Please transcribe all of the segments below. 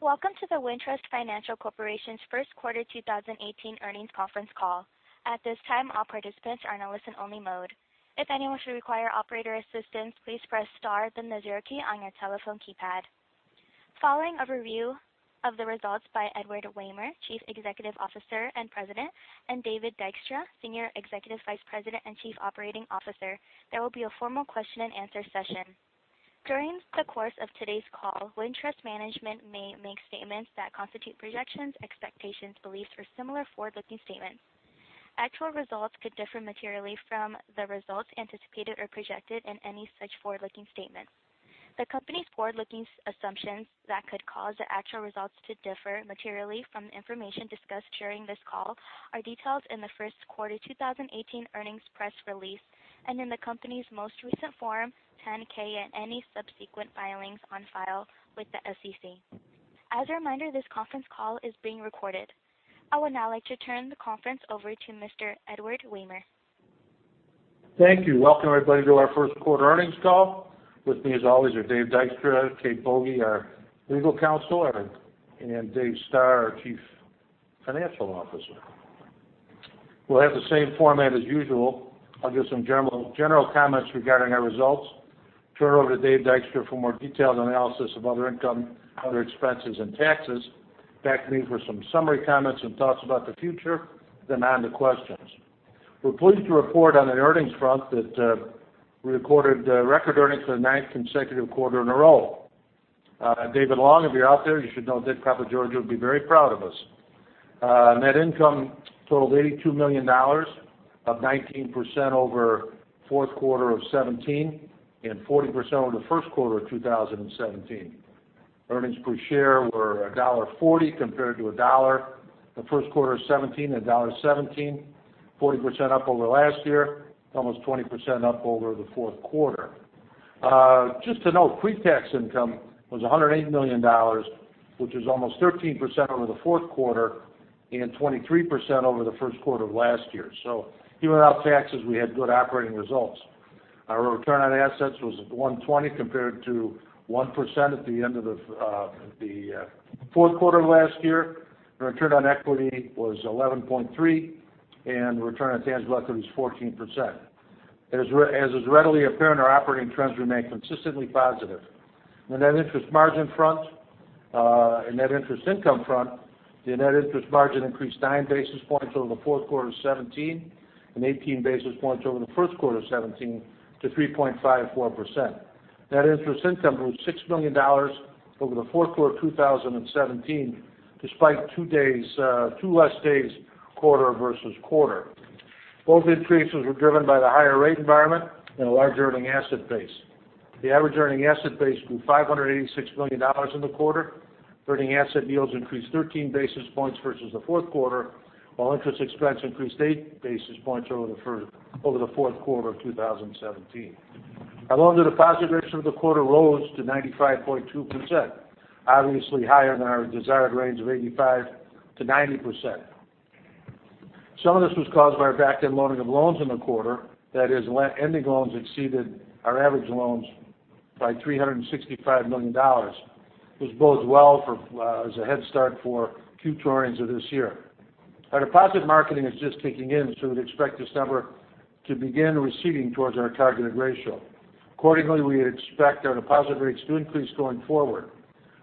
Welcome to the Wintrust Financial Corporation's first quarter 2018 earnings conference call. At this time, all participants are in a listen only mode. If anyone should require operator assistance, please press star then the zero key on your telephone keypad. Following a review of the results by Edward Wehmer, President and Chief Executive Officer, and David Dykstra, Senior Executive Vice President and Chief Operating Officer, there will be a formal question and answer session. During the course of today's call, Wintrust management may make statements that constitute projections, expectations, beliefs, or similar forward-looking statements. Actual results could differ materially from the results anticipated or projected in any such forward-looking statements. The company's forward-looking assumptions that could cause the actual results to differ materially from the information discussed during this call are detailed in the first quarter 2018 earnings press release and in the company's most recent Form 10-K and any subsequent filings on file with the SEC. As a reminder, this conference call is being recorded. I would now like to turn the conference over to Mr. Edward Wehmer. Thank you. Welcome everybody to our first quarter earnings call. With me as always are Dave Dykstra, Kate Boege, our legal counsel, and Dave Stoehr, our Chief Financial Officer. We'll have the same format as usual. I'll give some general comments regarding our results, turn it over to Dave Dykstra for more detailed analysis of other income, other expenses, and taxes. Back to me for some summary comments and thoughts about the future. On to questions. We're pleased to report on the earnings front that we recorded record earnings for the ninth consecutive quarter in a row. David Long, if you're out there, you should know that Papa George would be very proud of us. Net income totaled $82 million, up 19% over fourth quarter of 2017, and 40% over the first quarter of 2017. Earnings per share were $1.40 compared to $1 the first quarter of 2017, and $1.17, 40% up over last year, almost 20% up over the fourth quarter. Just to note, pre-tax income was $108 million, which is almost 13% over the fourth quarter and 23% over the first quarter of last year. Even without taxes, we had good operating results. Our return on assets was at 1.20% compared to 1% at the end of the fourth quarter of last year. The return on equity was 11.3% and the return on tangible equity was 14%. As is readily apparent, our operating trends remain consistently positive. On the net interest margin front, and net interest income front, the net interest margin increased nine basis points over the fourth quarter of 2017 and 18 basis points over the first quarter of 2017 to 3.54%. Net interest income grew $6 million over the fourth quarter of 2017, despite two less days quarter-over-quarter. Both increases were driven by the higher rate environment and a large earning asset base. The average earning asset base grew $586 million in the quarter. Earning asset yields increased 13 basis points versus the fourth quarter, while interest expense increased eight basis points over the fourth quarter of 2017. Our loan-to-deposit ratio of the quarter rose to 95.2%, obviously higher than our desired range of 85%-90%. Some of this was caused by our back-end loading of loans in the quarter. That is, ending loans exceeded our average loans by $365 million. It was both well as a headstart for [inaudible] of this year. Our deposit marketing is just kicking in, we'd expect this number to begin receding towards our targeted ratio. Accordingly, we expect our deposit rates to increase going forward.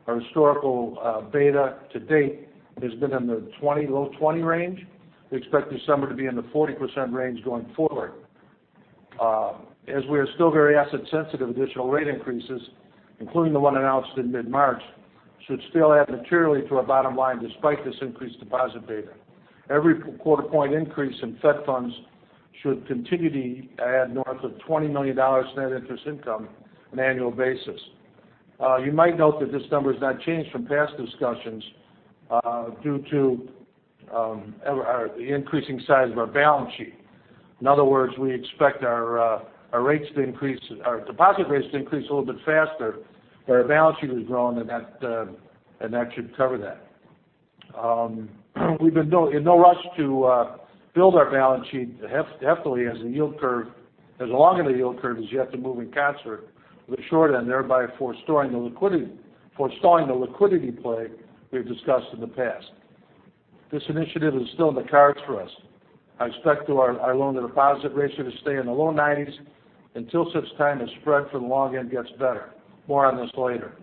Our historical beta to date has been in the low 20 range. We expect this number to be in the 40% range going forward. As we are still very asset sensitive, additional rate increases, including the one announced in mid-March, should still add materially to our bottom line despite this increased deposit beta. Every quarter point increase in Fed funds should continue to add north of $20 million in net interest income on an annual basis. You might note that this number has not changed from past discussions due to the increasing size of our balance sheet. In other words, we expect our deposit rates to increase a little bit faster, our balance sheet is growing and that should cover that. We've been in no rush to build our balance sheet definitely as the long end of the yield curve is yet to move in concert with the short end, thereby forestalling the liquidity play we've discussed in the past. This initiative is still in the cards for us. I expect our loan-to-deposit ratio to stay in the low 90s until such time the spread for the long end gets better. More on this later.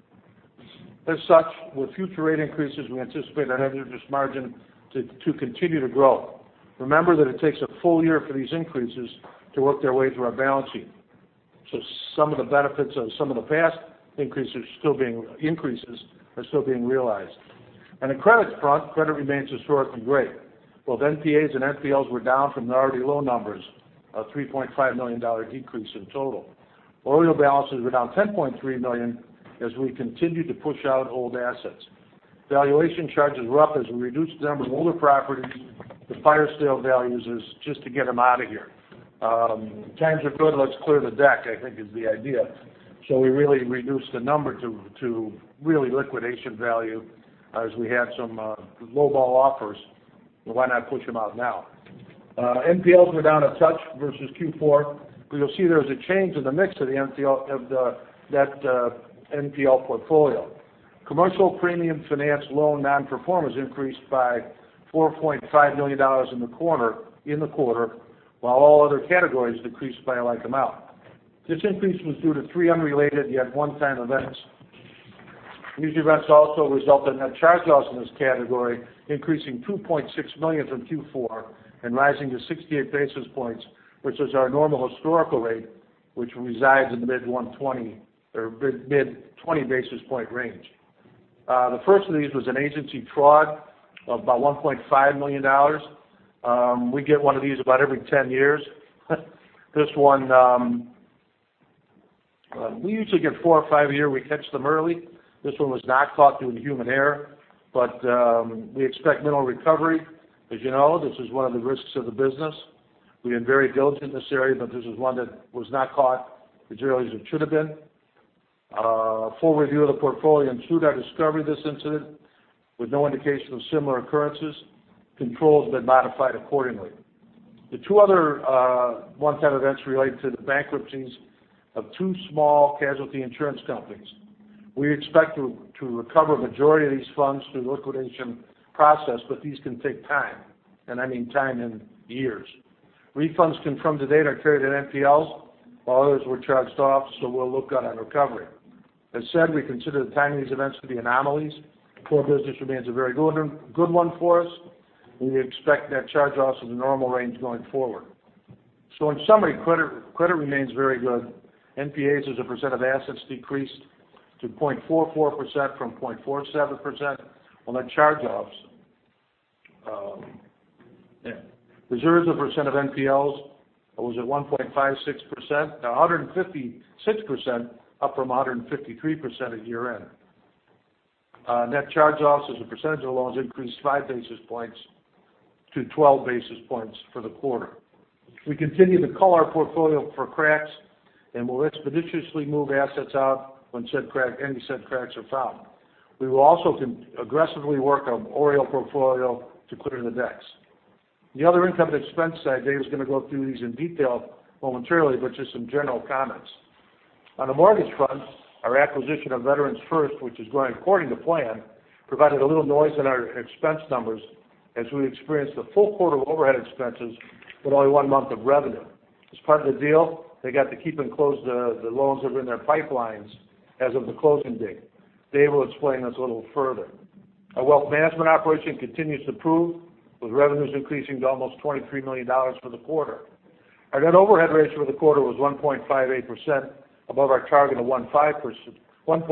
As such, with future rate increases, we anticipate our net interest margin to continue to grow. Remember that it takes a full year for these increases to work their way through our balance sheet. Some of the benefits of some of the past increases are still being realized. On the credit front, credit remains historically great. Both NPAs and NPLs were down from the already low numbers, a $3.5 million decrease in total. Loan balances were down $10.3 million as we continue to push out old assets. Valuation charges were up as we reduced the number of older properties to fire sale values just to get them out of here. Times are good, let's clear the deck, I think is the idea. We really reduced the number to really liquidation value as we had some lowball offers. Why not push them out now? NPLs were down a touch versus Q4. You'll see there's a change in the mix of that NPL portfolio. Commercial premium finance loan non-performance increased by $4.5 million in the quarter, while all other categories decreased by a like amount. This increase was due to three unrelated, yet one-time events. These events also result in net charge-offs in this category, increasing $2.6 million from Q4 and rising to 68 basis points, which is our normal historical rate, which resides in the mid-20 basis point range. The first of these was an agency fraud of about $1.5 million. We get one of these about every 10 years. We usually get four or five a year. We catch them early. This one was not caught due to human error. We expect minimal recovery. As you know, this is one of the risks of the business. We are very diligent in this area, but this is one that was not caught as early as it should've been. A full review of the portfolio ensued our discovery of this incident, with no indication of similar occurrences. Controls have been modified accordingly. The two other one-time events relate to the bankruptcies of two small casualty insurance companies. We expect to recover the majority of these funds through the liquidation process, but these can take time. I mean time in years. Refunds confirmed to date are carried in NPLs, while others were charged off, we'll look at on recovery. As said, we consider the timing of these events to be anomalies. The core business remains a very good one for us. We expect net charge-offs in the normal range going forward. In summary, credit remains very good. NPAs as a percent of assets decreased to 0.44% from 0.47% on net charge-offs. Reserves as a percent of NPLs was at 1.56%, up from 1.53% at year-end. Net charge-offs as a percentage of loans increased five basis points to 12 basis points for the quarter. We continue to cull our portfolio for cracks and will expeditiously move assets out when any said cracks are found. We will also aggressively work our OREO portfolio to clear the decks. The other income and expense side, Dave is going to go through these in detail momentarily, but just some general comments. On the mortgage front, our acquisition of Veterans First, which is going according to plan, provided a little noise in our expense numbers as we experienced a full quarter of overhead expenses with only one month of revenue. As part of the deal, they got to keep and close the loans that were in their pipelines as of the closing date. Dave will explain this a little further. Our wealth management operation continues to improve, with revenues increasing to almost $23 million for the quarter. Our net overhead ratio for the quarter was 1.58%, above our target of 1.5%, 11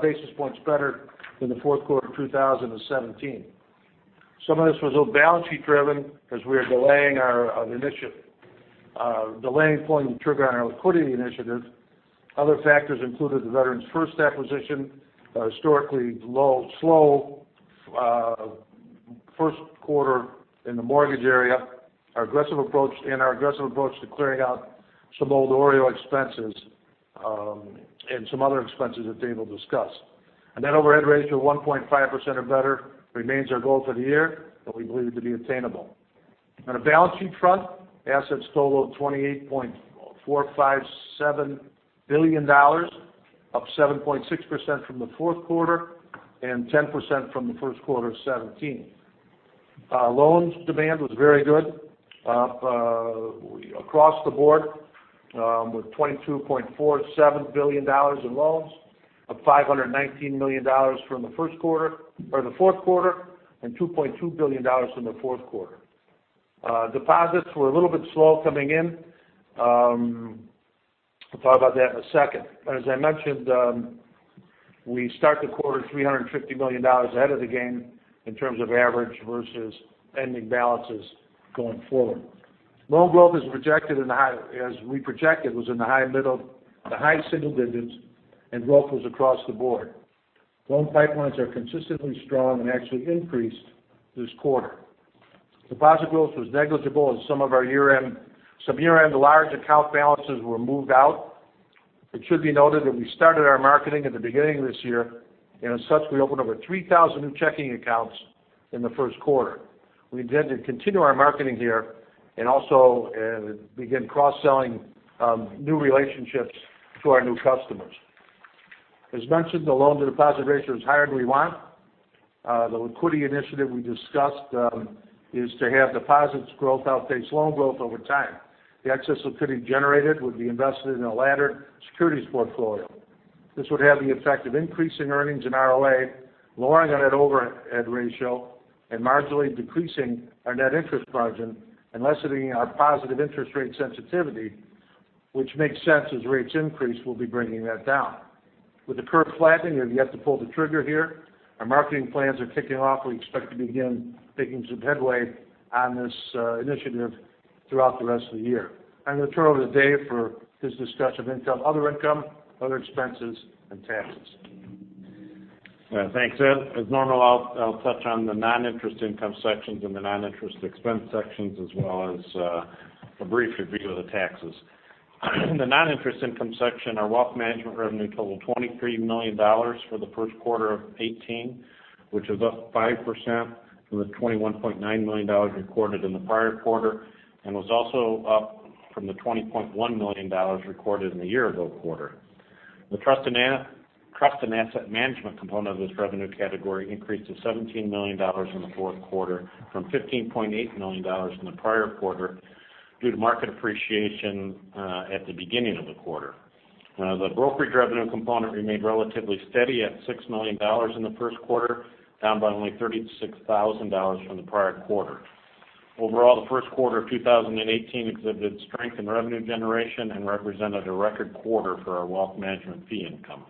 basis points better than the fourth quarter of 2017. Some of this was balance sheet driven as we are delaying pulling the trigger on our liquidity initiative. Other factors included the Veterans First acquisition, historically slow first quarter in the mortgage area, and our aggressive approach to clearing out some old OREO expenses, and some other expenses that Dave will discuss. A net overhead ratio of 1.5% or better remains our goal for the year, that we believe to be attainable. On the balance sheet front, assets total $28.457 billion, up 7.6% from the fourth quarter and 10% from the first quarter of 2017. Loans demand was very good across the board, with $22.47 billion in loans, up $519 million from the fourth quarter, and $2.2 billion from the first quarter. Deposits were a little bit slow coming in. I'll talk about that in a second. As I mentioned, we start the quarter $350 million ahead of the game in terms of average versus ending balances going forward. Loan growth, as we projected, was in the high single digits and growth was across the board. Loan pipelines are consistently strong and actually increased this quarter. Deposit growth was negligible as some year-end large account balances were moved out. It should be noted that we started our marketing at the beginning of this year, and as such, we opened over 3,000 new checking accounts in the first quarter. We intend to continue our marketing here and also begin cross-selling new relationships to our new customers. As mentioned, the loan-to-deposit ratio is higher than we want. The liquidity initiative we discussed is to have deposits growth outpace loan growth over time. The excess liquidity generated would be invested in a laddered securities portfolio. This would have the effect of increasing earnings and ROA, lowering our net overhead ratio, and marginally decreasing our net interest margin and lessening our positive interest rate sensitivity, which makes sense as rates increase, we'll be bringing that down. With the curve flattening, we've yet to pull the trigger here. Our marketing plans are kicking off. We expect to begin making some headway on this initiative throughout the rest of the year. I'm going to turn it over to Dave for his discussion of other income, other expenses, and taxes. Thanks, Ed. As normal, I'll touch on the non-interest income sections and the non-interest expense sections, as well as a brief review of the taxes. The non-interest income section, our wealth management revenue totaled $23 million for the first quarter of 2018, which is up 5% from the $21.9 million recorded in the prior quarter and was also up from the $20.1 million recorded in the year-ago quarter. The trust and asset management component of this revenue category increased to $17 million in the fourth quarter from $15.8 million in the prior quarter due to market appreciation at the beginning of the quarter. The brokerage revenue component remained relatively steady at $6 million in the first quarter, down by only $36,000 from the prior quarter. Overall, the first quarter of 2018 exhibited strength in revenue generation and represented a record quarter for our wealth management fee income.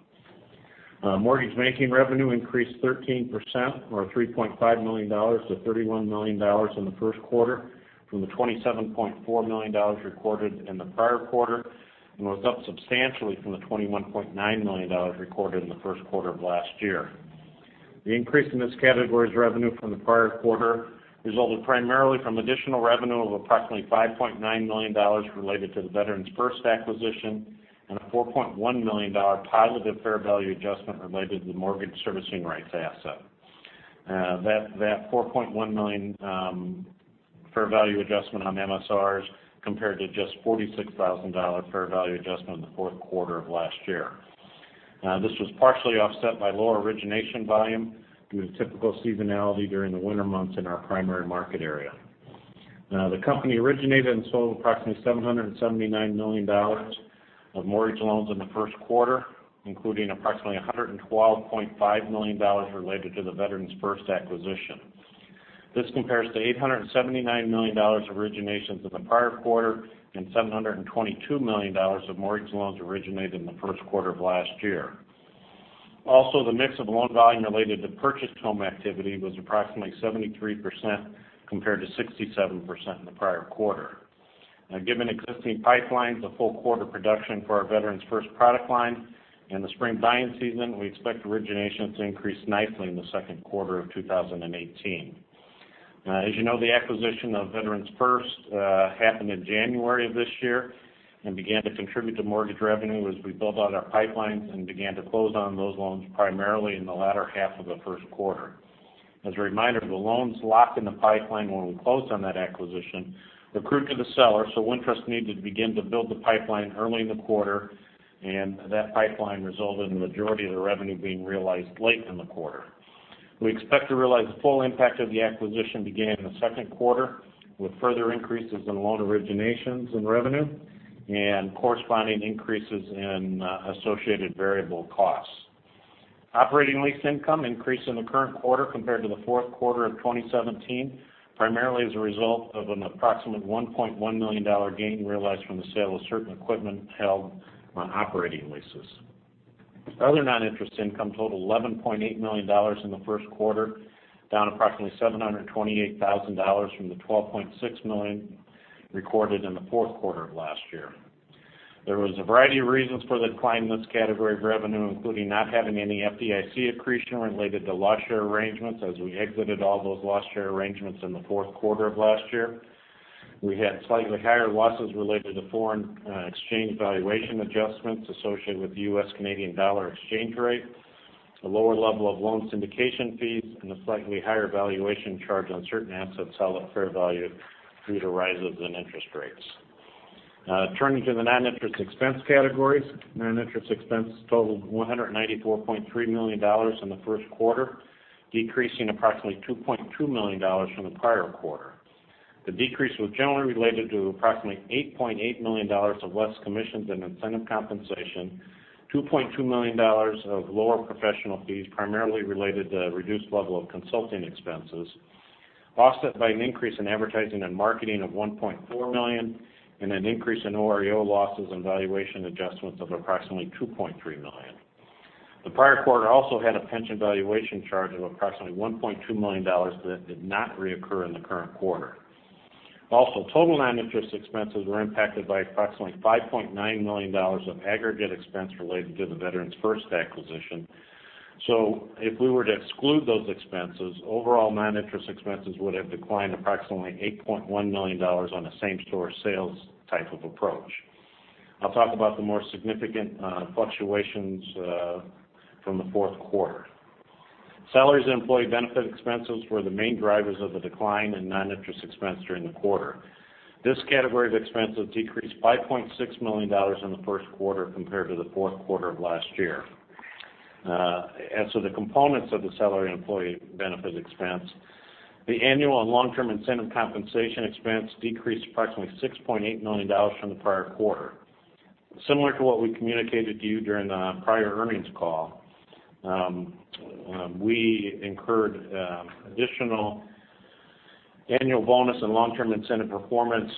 Mortgage banking revenue increased 13%, or $3.5 million, to $31 million in the first quarter from the $27.4 million recorded in the prior quarter and was up substantially from the $21.9 million recorded in the first quarter of last year. The increase in this category's revenue from the prior quarter resulted primarily from additional revenue of approximately $5.9 million related to the Veterans First acquisition and a $4.1 million positive fair value adjustment related to the mortgage servicing rights asset. That $4.1 million fair value adjustment on MSRs compared to just $46,000 fair value adjustment in the fourth quarter of last year. This was partially offset by lower origination volume due to typical seasonality during the winter months in our primary market area. The company originated and sold approximately $779 million of mortgage loans in the first quarter, including approximately $112.5 million related to the Veterans First acquisition. This compares to $879 million of originations in the prior quarter and $722 million of mortgage loans originated in the first quarter of last year. Also, the mix of loan volume related to purchased home activity was approximately 73% compared to 67% in the prior quarter. Given existing pipelines, the full quarter production for our Veterans First product line and the spring buying season, we expect originations to increase nicely in the second quarter of 2018. As you know, the acquisition of Veterans First happened in January of this year and began to contribute to mortgage revenue as we built out our pipelines and began to close on those loans primarily in the latter half of the first quarter. As a reminder, the loans locked in the pipeline when we closed on that acquisition accrued to the seller. Wintrust needed to begin to build the pipeline early in the quarter, and that pipeline resulted in the majority of the revenue being realized late in the quarter. We expect to realize the full impact of the acquisition beginning in the second quarter with further increases in loan originations and revenue and corresponding increases in associated variable costs. Operating lease income increased in the current quarter compared to the fourth quarter of 2017, primarily as a result of an approximate $1.1 million gain realized from the sale of certain equipment held on operating leases. Other non-interest income totaled $11.8 million in the first quarter, down approximately $728,000 from the $12.6 million recorded in the fourth quarter of last year. There was a variety of reasons for the decline in this category of revenue, including not having any FDIC accretion related to loss share arrangements as we exited all those loss share arrangements in the fourth quarter of last year. We had slightly higher losses related to foreign exchange valuation adjustments associated with the U.S. Canadian dollar exchange rate, a lower level of loan syndication fees, and a slightly higher valuation charge on certain assets held at fair value due to rises in interest rates. Turning to the non-interest expense categories. Non-interest expense totaled $194.3 million in the first quarter, decreasing approximately $2.2 million from the prior quarter. The decrease was generally related to approximately $8.8 million of less commissions and incentive compensation, $2.2 million of lower professional fees primarily related to a reduced level of consulting expenses, offset by an increase in advertising and marketing of $1.4 million and an increase in OREO losses and valuation adjustments of approximately $2.3 million. The prior quarter also had a pension valuation charge of approximately $1.2 million that did not reoccur in the current quarter. Also, total non-interest expenses were impacted by approximately $5.9 million of aggregate expense related to the Veterans First acquisition. If we were to exclude those expenses, overall non-interest expenses would have declined approximately $8.1 million on a same-store sales type of approach. I'll talk about the more significant fluctuations from the fourth quarter. Salaries and employee benefit expenses were the main drivers of the decline in non-interest expense during the quarter. This category of expenses decreased $5.6 million in the first quarter compared to the fourth quarter of last year. As to the components of the salary and employee benefit expense, the annual and long-term incentive compensation expense decreased approximately $6.8 million from the prior quarter. Similar to what we communicated to you during the prior earnings call, we incurred additional annual bonus and long-term incentive performance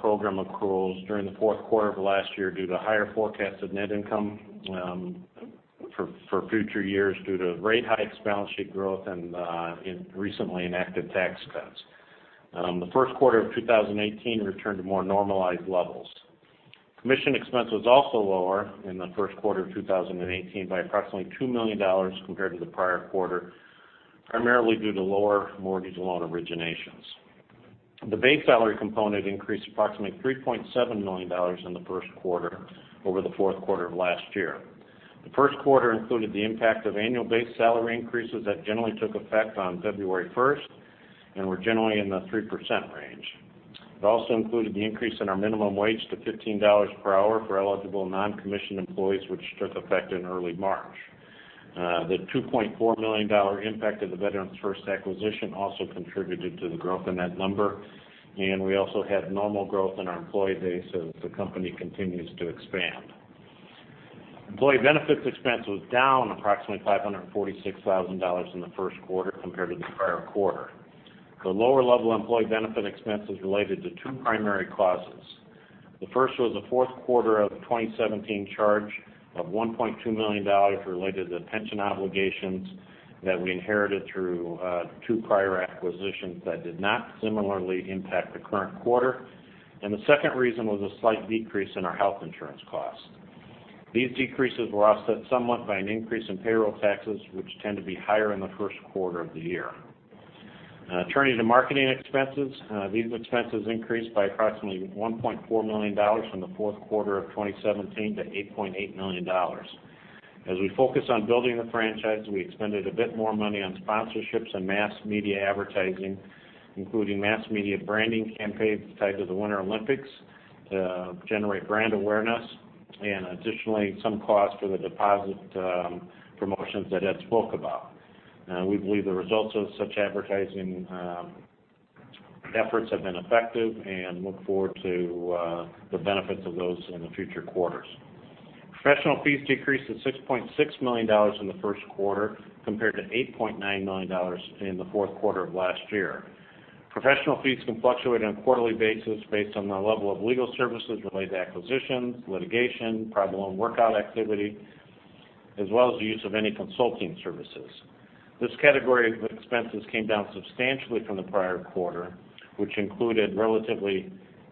program accruals during the fourth quarter of last year due to higher forecasts of net income for future years due to rate hikes, balance sheet growth, and recently enacted tax cuts. The first quarter of 2018 returned to more normalized levels. Commission expense was also lower in the first quarter of 2018 by approximately $2 million compared to the prior quarter, primarily due to lower mortgage loan originations. The base salary component increased approximately $3.7 million in the first quarter over the fourth quarter of last year. The first quarter included the impact of annual base salary increases that generally took effect on February 1st and were generally in the 3% range. It also included the increase in our minimum wage to $15 per hour for eligible non-commission employees, which took effect in early March. The $2.4 million impact of the Veterans First acquisition also contributed to the growth in that number, and we also had normal growth in our employee base as the company continues to expand. Employee benefits expense was down approximately $546,000 in the first quarter compared to the prior quarter. The lower level employee benefit expense is related to two primary causes. The first was a fourth quarter of 2017 charge of $1.2 million related to the pension obligations that we inherited through two prior acquisitions that did not similarly impact the current quarter, and the second reason was a slight decrease in our health insurance cost. These decreases were offset somewhat by an increase in payroll taxes, which tend to be higher in the first quarter of the year. Turning to marketing expenses. These expenses increased by approximately $1.4 million from the fourth quarter of 2017 to $8.8 million. As we focus on building the franchise, we expended a bit more money on sponsorships and mass media advertising, including mass media branding campaigns tied to the Winter Olympics to generate brand awareness, and additionally, some cost for the deposit promotions that Ed spoke about. We believe the results of such advertising efforts have been effective and look forward to the benefits of those in the future quarters. Professional fees decreased to $6.6 million in the first quarter, compared to $8.9 million in the fourth quarter of last year. Professional fees can fluctuate on a quarterly basis based on the level of legal services related to acquisitions, litigation, problem workout activity, as well as the use of any consulting services. This category of expenses came down substantially from the prior quarter, which included relatively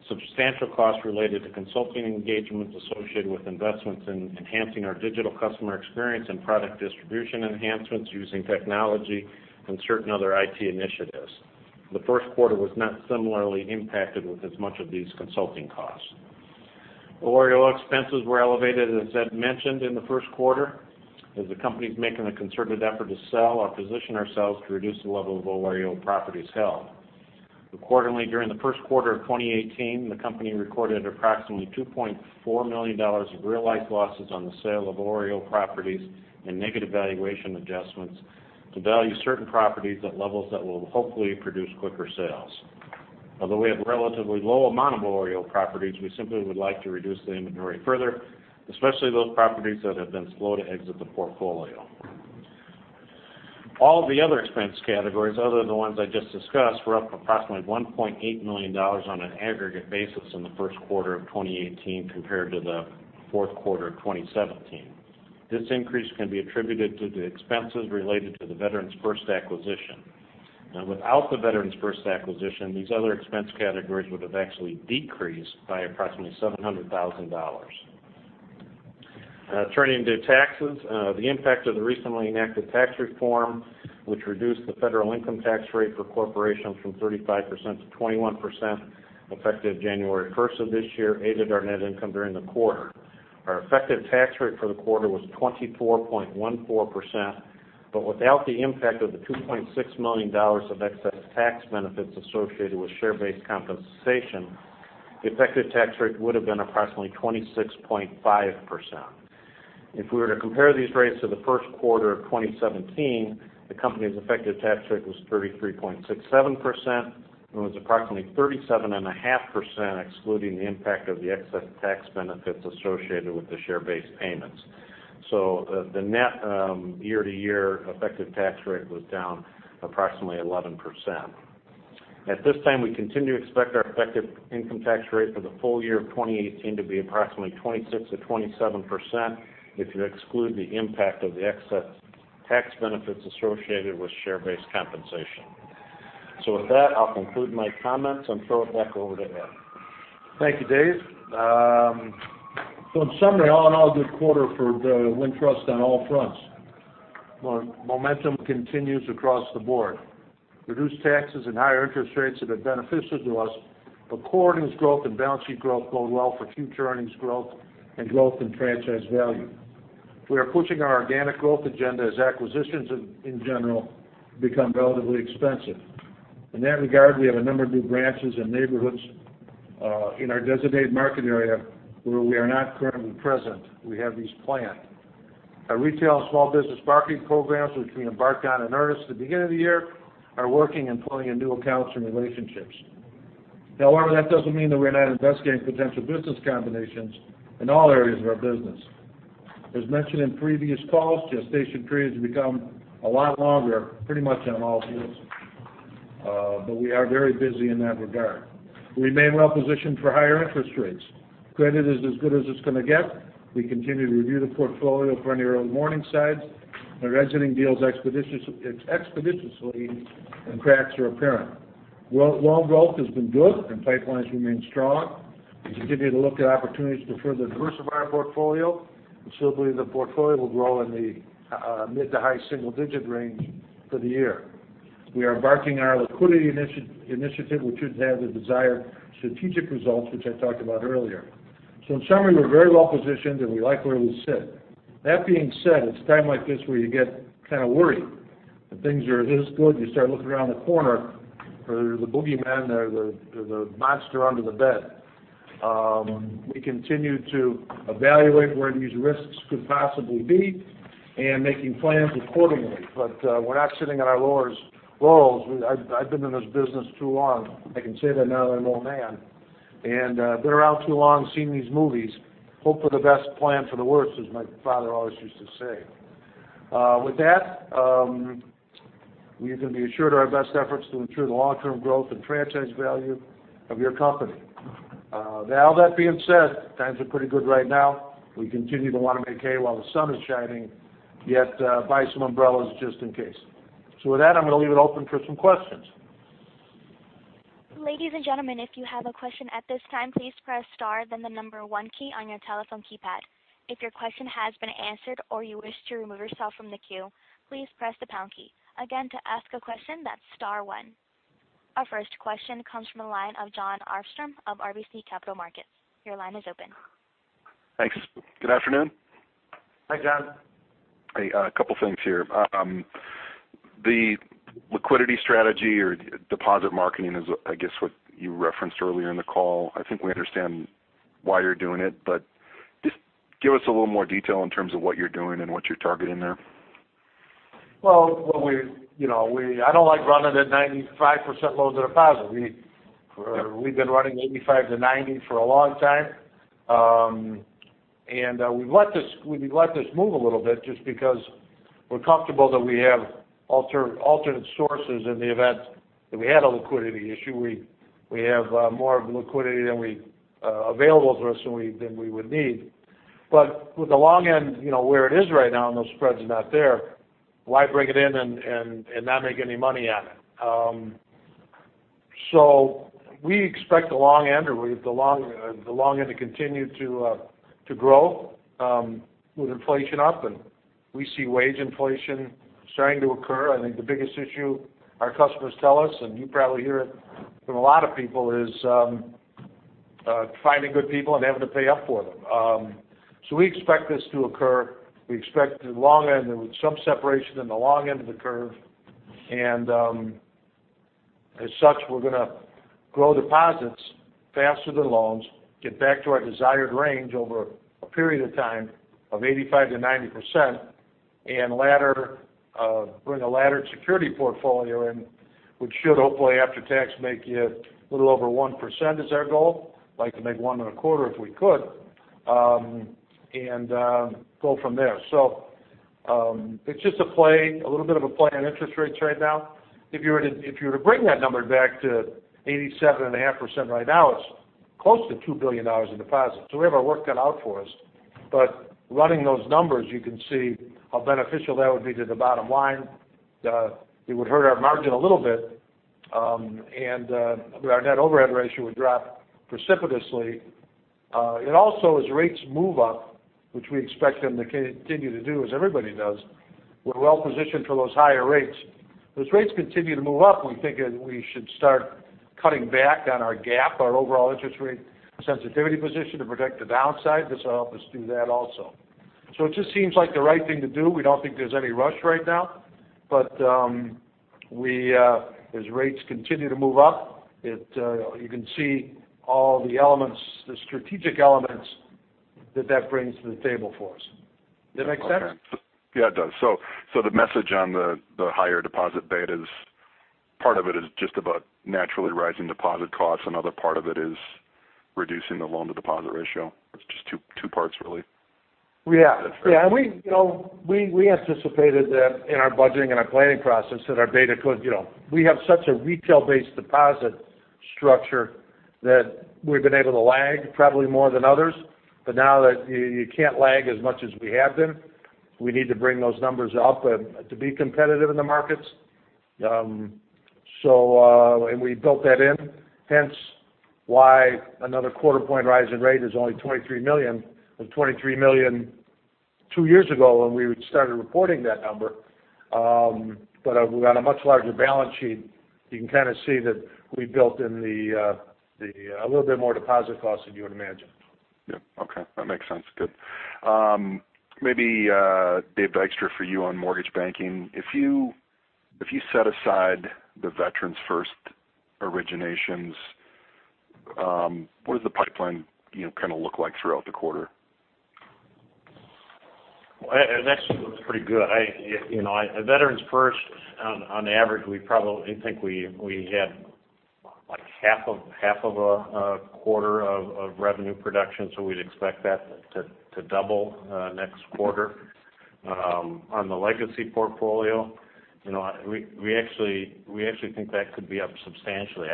substantial costs related to consulting engagements associated with investments in enhancing our digital customer experience and product distribution enhancements using technology and certain other IT initiatives. The first quarter was not similarly impacted with as much of these consulting costs. OREO expenses were elevated, as Ed mentioned in the first quarter, as the company's making a concerted effort to sell or position ourselves to reduce the level of OREO properties held. Accordingly, during the first quarter of 2018, the company recorded approximately $2.4 million of realized losses on the sale of OREO properties and negative valuation adjustments to value certain properties at levels that will hopefully produce quicker sales. Although we have a relatively low amount of OREO properties, we simply would like to reduce the inventory further, especially those properties that have been slow to exit the portfolio. All the other expense categories other than the ones I just discussed were up approximately $1.8 million on an aggregate basis in the first quarter of 2018 compared to the fourth quarter of 2017. This increase can be attributed to the expenses related to the Veterans First acquisition. Without the Veterans First acquisition, these other expense categories would have actually decreased by approximately $700,000. Turning to taxes. The impact of the recently enacted tax reform, which reduced the federal income tax rate for corporations from 35% to 21% effective January 1st of this year, aided our net income during the quarter. Our effective tax rate for the quarter was 24.14%, but without the impact of the $2.6 million of excess tax benefits associated with share-based compensation, the effective tax rate would have been approximately 26.5%. If we were to compare these rates to the first quarter of 2017, the company's effective tax rate was 33.67%, and was approximately 37.5% excluding the impact of the excess tax benefits associated with the share-based payments. The net year-to-year effective tax rate was down approximately 11%. At this time, we continue to expect our effective income tax rate for the full year of 2018 to be approximately 26% to 27% if you exclude the impact of the excess tax benefits associated with share-based compensation. With that, I'll conclude my comments and throw it back over to Ed. Thank you, Dave. In summary, all in all, good quarter for Wintrust on all fronts. Momentum continues across the board. Reduced taxes and higher interest rates have been beneficial to us, but core earnings growth and balance sheet growth bode well for future earnings growth and growth in franchise value. We are pushing our organic growth agenda as acquisitions in general become relatively expensive. In that regard, we have a number of new branches and neighborhoods in our designated market area where we are not currently present. We have these planned. Our retail and small business marketing programs, which we embarked on in earnest at the beginning of the year, are working and pulling in new accounts and relationships. However, that doesn't mean that we're not investigating potential business combinations in all areas of our business. As mentioned in previous calls, gestation periods become a lot longer, pretty much on all deals. We are very busy in that regard. We remain well positioned for higher interest rates. Credit is as good as it's going to get. We continue to review the portfolio for any early warning signs. Our (rezoning) deals expeditiously and cracks are apparent. Loan growth has been good and pipelines remain strong. We continue to look at opportunities to further diversify our portfolio. We still believe the portfolio will grow in the mid to high single-digit range for the year. We are embarking our liquidity initiative, which should have the desired strategic results, which I talked about earlier. In summary, we're very well positioned, and we like where we sit. That being said, it's a time like this where you get kind of worried that things are this good. You start looking around the corner for the boogeyman there, the monster under the bed. We continue to evaluate where these risks could possibly be and making plans accordingly. We're not sitting on our laurels. I've been in this business too long. I can say that now that I'm an old man and been around too long seeing these movies. Hope for the best, plan for the worst, as my father always used to say. With that, you can be assured our best efforts to ensure the long-term growth and franchise value of your company. All that being said, times are pretty good right now. We continue to want to make hay while the sun is shining, yet buy some umbrellas just in case. With that, I'm going to leave it open for some questions. Ladies and gentlemen, if you have a question at this time, please press star, then the number 1 key on your telephone keypad. If your question has been answered or you wish to remove yourself from the queue, please press the pound key. Again, to ask a question, that's star one. Our first question comes from the line of Jon Arfstrom of RBC Capital Markets. Your line is open. Thanks. Good afternoon. Hi, Jon. A couple things here. The liquidity strategy or deposit marketing is, I guess, what you referenced earlier in the call. I think we understand why you're doing it, just give us a little more detail in terms of what you're doing and what you're targeting there. Well, I don't like running at 95% loans to deposit. We've been running 85%-90% for a long time. We'd let this move a little bit just because we're comfortable that we have alternate sources in the event that we had a liquidity issue. We have more liquidity available to us than we would need. With the long end, where it is right now and those spreads are not there, why bring it in and not make any money at it? We expect the long end to continue to grow with inflation up, and we see wage inflation starting to occur. I think the biggest issue our customers tell us, and you probably hear it from a lot of people, is finding good people and having to pay up for them. We expect this to occur. We expect there is some separation in the long end of the curve. As such, we're going to grow deposits faster than loans, get back to our desired range over a period of time of 85%-90%, and bring a laddered security portfolio in, which should hopefully after tax make you a little over 1%, is our goal. Like to make one and a quarter if we could, and go from there. It's just a little bit of a play on interest rates right now. If you were to bring that number back to 87.5% right now, it's close to $2 billion in deposits. We have our work cut out for us. Running those numbers, you can see how beneficial that would be to the bottom line. It would hurt our margin a little bit. Our net overhead ratio would drop precipitously. It also, as rates move up, which we expect them to continue to do, as everybody does, we're well positioned for those higher rates. Those rates continue to move up. We figure we should start cutting back on our gap, our overall interest rate sensitivity position to protect the downside. This will help us do that also. It just seems like the right thing to do. We don't think there's any rush right now. As rates continue to move up, you can see all the elements, the strategic elements that brings to the table for us. Does that make sense? Yeah, it does. The message on the higher deposit betas, part of it is just about naturally rising deposit costs. Another part of it is reducing the loan-to-deposit ratio. It's just two parts, really. Yeah. That's fair. We anticipated that in our budgeting and our planning process that We have such a retail-based deposit structure that we've been able to lag probably more than others. Now that you can't lag as much as we have been, we need to bring those numbers up to be competitive in the markets. We built that in, hence why another quarter point rise in rate is only $23 million. It was $23 million two years ago when we started reporting that number. We're on a much larger balance sheet. You can kind of see that we built in a little bit more deposit cost than you would imagine. Yeah. Okay. That makes sense. Good. Maybe Dave Dykstra, for you on mortgage banking. If you set aside the Veterans First originations, what does the pipeline look like throughout the quarter? It actually looks pretty good. Veterans First, on average, we think we had half of a quarter of revenue production. We'd expect that to double next quarter. On the legacy portfolio, we actually think that could be up substantially.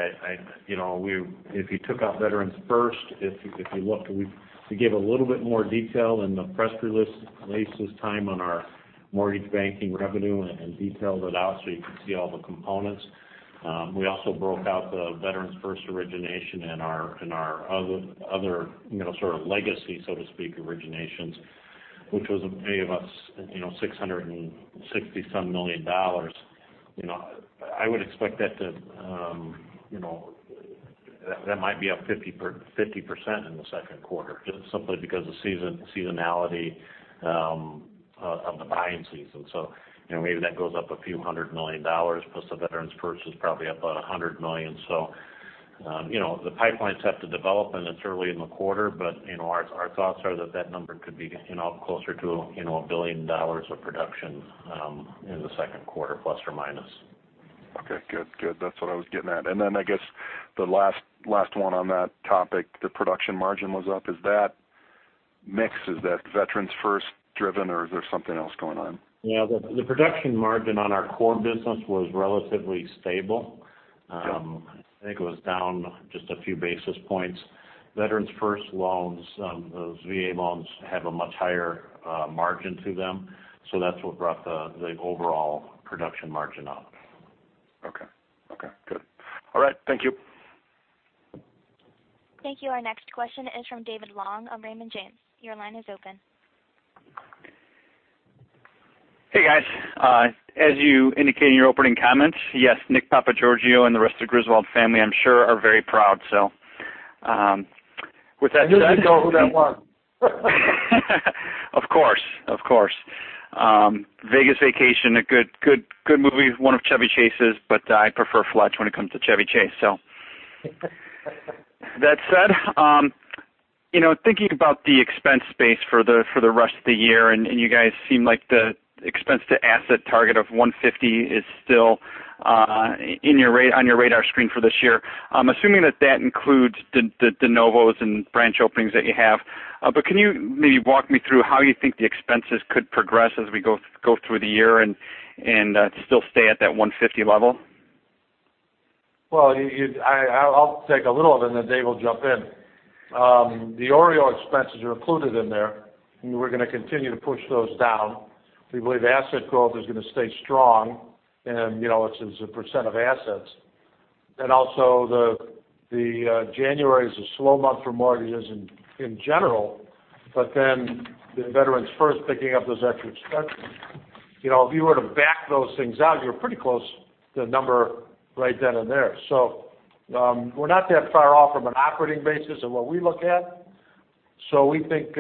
If you took out Veterans First, if you looked, we gave a little bit more detail in the press release this time on our mortgage banking revenue and detailed it out so you can see all the components. We also broke out the Veterans First origination in our other sort of legacy, so to speak, originations, which was maybe about $667 million. I would expect that might be up 50% in the second quarter, just simply because the seasonality of the buying season. Maybe that goes up a few hundred million dollars, plus the Veterans First is probably up about $100 million. The pipelines have to develop, and it's early in the quarter, but our thoughts are that number could be closer to $1 billion of production in the second quarter, plus or minus. Okay. Good. That's what I was getting at. I guess the last one on that topic, the production margin was up. Is that mix Veterans First driven, or is there something else going on? Yeah. The production margin on our core business was relatively stable. Yeah. I think it was down just a few basis points. Veterans First loans, those VA loans have a much higher margin to them. That's what brought the overall production margin up. Okay. Good. All right. Thank you. Thank you. Our next question is from David Long of Raymond James. Your line is open. Hey, guys. As you indicated in your opening comments, yes, Nick Papagiorgio and the rest of Griswold family, I'm sure, are very proud. You know who that was. Of course. Vegas Vacation, a good movie, one of Chevy Chase's, but I prefer Fletch when it comes to Chevy Chase, so. That said, thinking about the expense base for the rest of the year, you guys seem like the expense to asset target of 150 is still on your radar screen for this year. I'm assuming that includes the de novos and branch openings that you have. Can you maybe walk me through how you think the expenses could progress as we go through the year and still stay at that 150 level? Well, I'll take a little of it, then Dave will jump in. The OREO expenses are included in there, we're going to continue to push those down. We believe asset growth is going to stay strong and it's a % of assets. Also, January's a slow month for mortgages in general, then the Veterans First picking up those extra expenses. If you were to back those things out, you're pretty close to the number right then and there. We're not that far off from an operating basis of what we look at. We think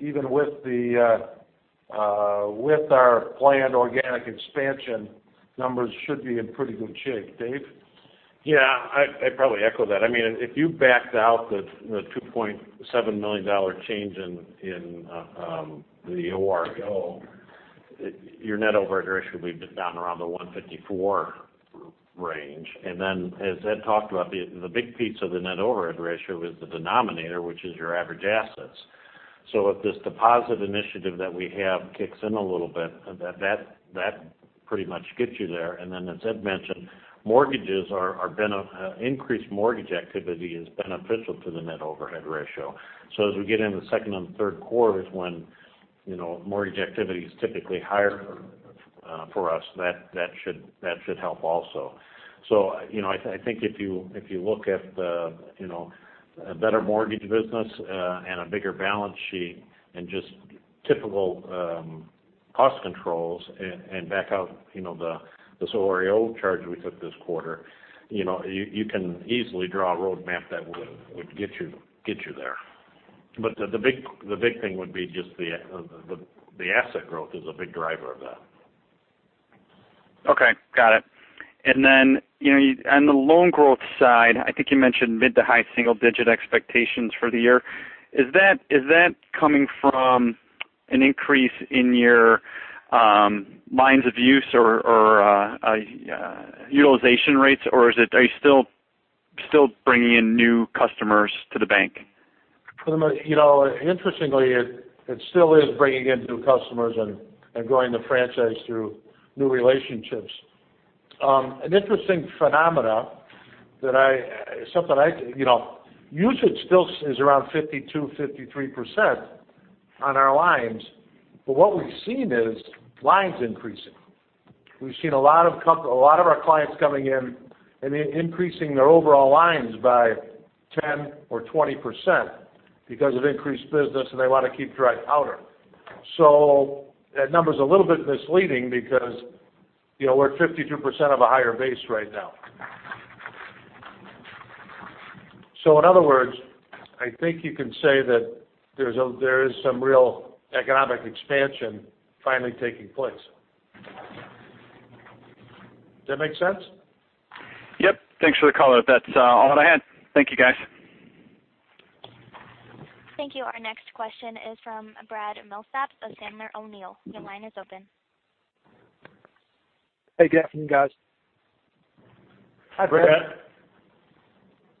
even with our planned organic expansion, numbers should be in pretty good shape. Dave? I'd probably echo that. If you backed out the $2.7 million change in the OREO, your net overhead ratio would be down around the 154 range. As Ed talked about, the big piece of the net overhead ratio is the denominator, which is your average assets. If this deposit initiative that we have kicks in a little bit, that pretty much gets you there. As Ed mentioned, increased mortgage activity is beneficial to the net overhead ratio. As we get into the second and third quarters when mortgage activity is typically higher for us, that should help also. I think if you look at the better mortgage business and a bigger balance sheet and just typical cost controls and back out the OREO charge we took this quarter, you can easily draw a road map that would get you there. The big thing would be just the asset growth is a big driver of that. Got it. On the loan growth side, I think you mentioned mid to high single-digit expectations for the year. Is that coming from an increase in your lines of use or utilization rates, or are you still bringing in new customers to the bank? Interestingly, it still is bringing in new customers and growing the franchise through new relationships. An interesting phenomena, usage still is around 52%-53% on our lines. What we've seen is lines increasing. We've seen a lot of our clients coming in and increasing their overall lines by 10% or 20% because of increased business and they want to keep dry powder. That number's a little bit misleading because we're 52% of a higher base right now. In other words, I think you can say that there is some real economic expansion finally taking place. Does that make sense? Yep. Thanks for the color. That's all I had. Thank you, guys. Thank you. Our next question is from Brad Milsaps of Sandler O'Neill. Your line is open. Hey, good afternoon, guys. Hi, Brad.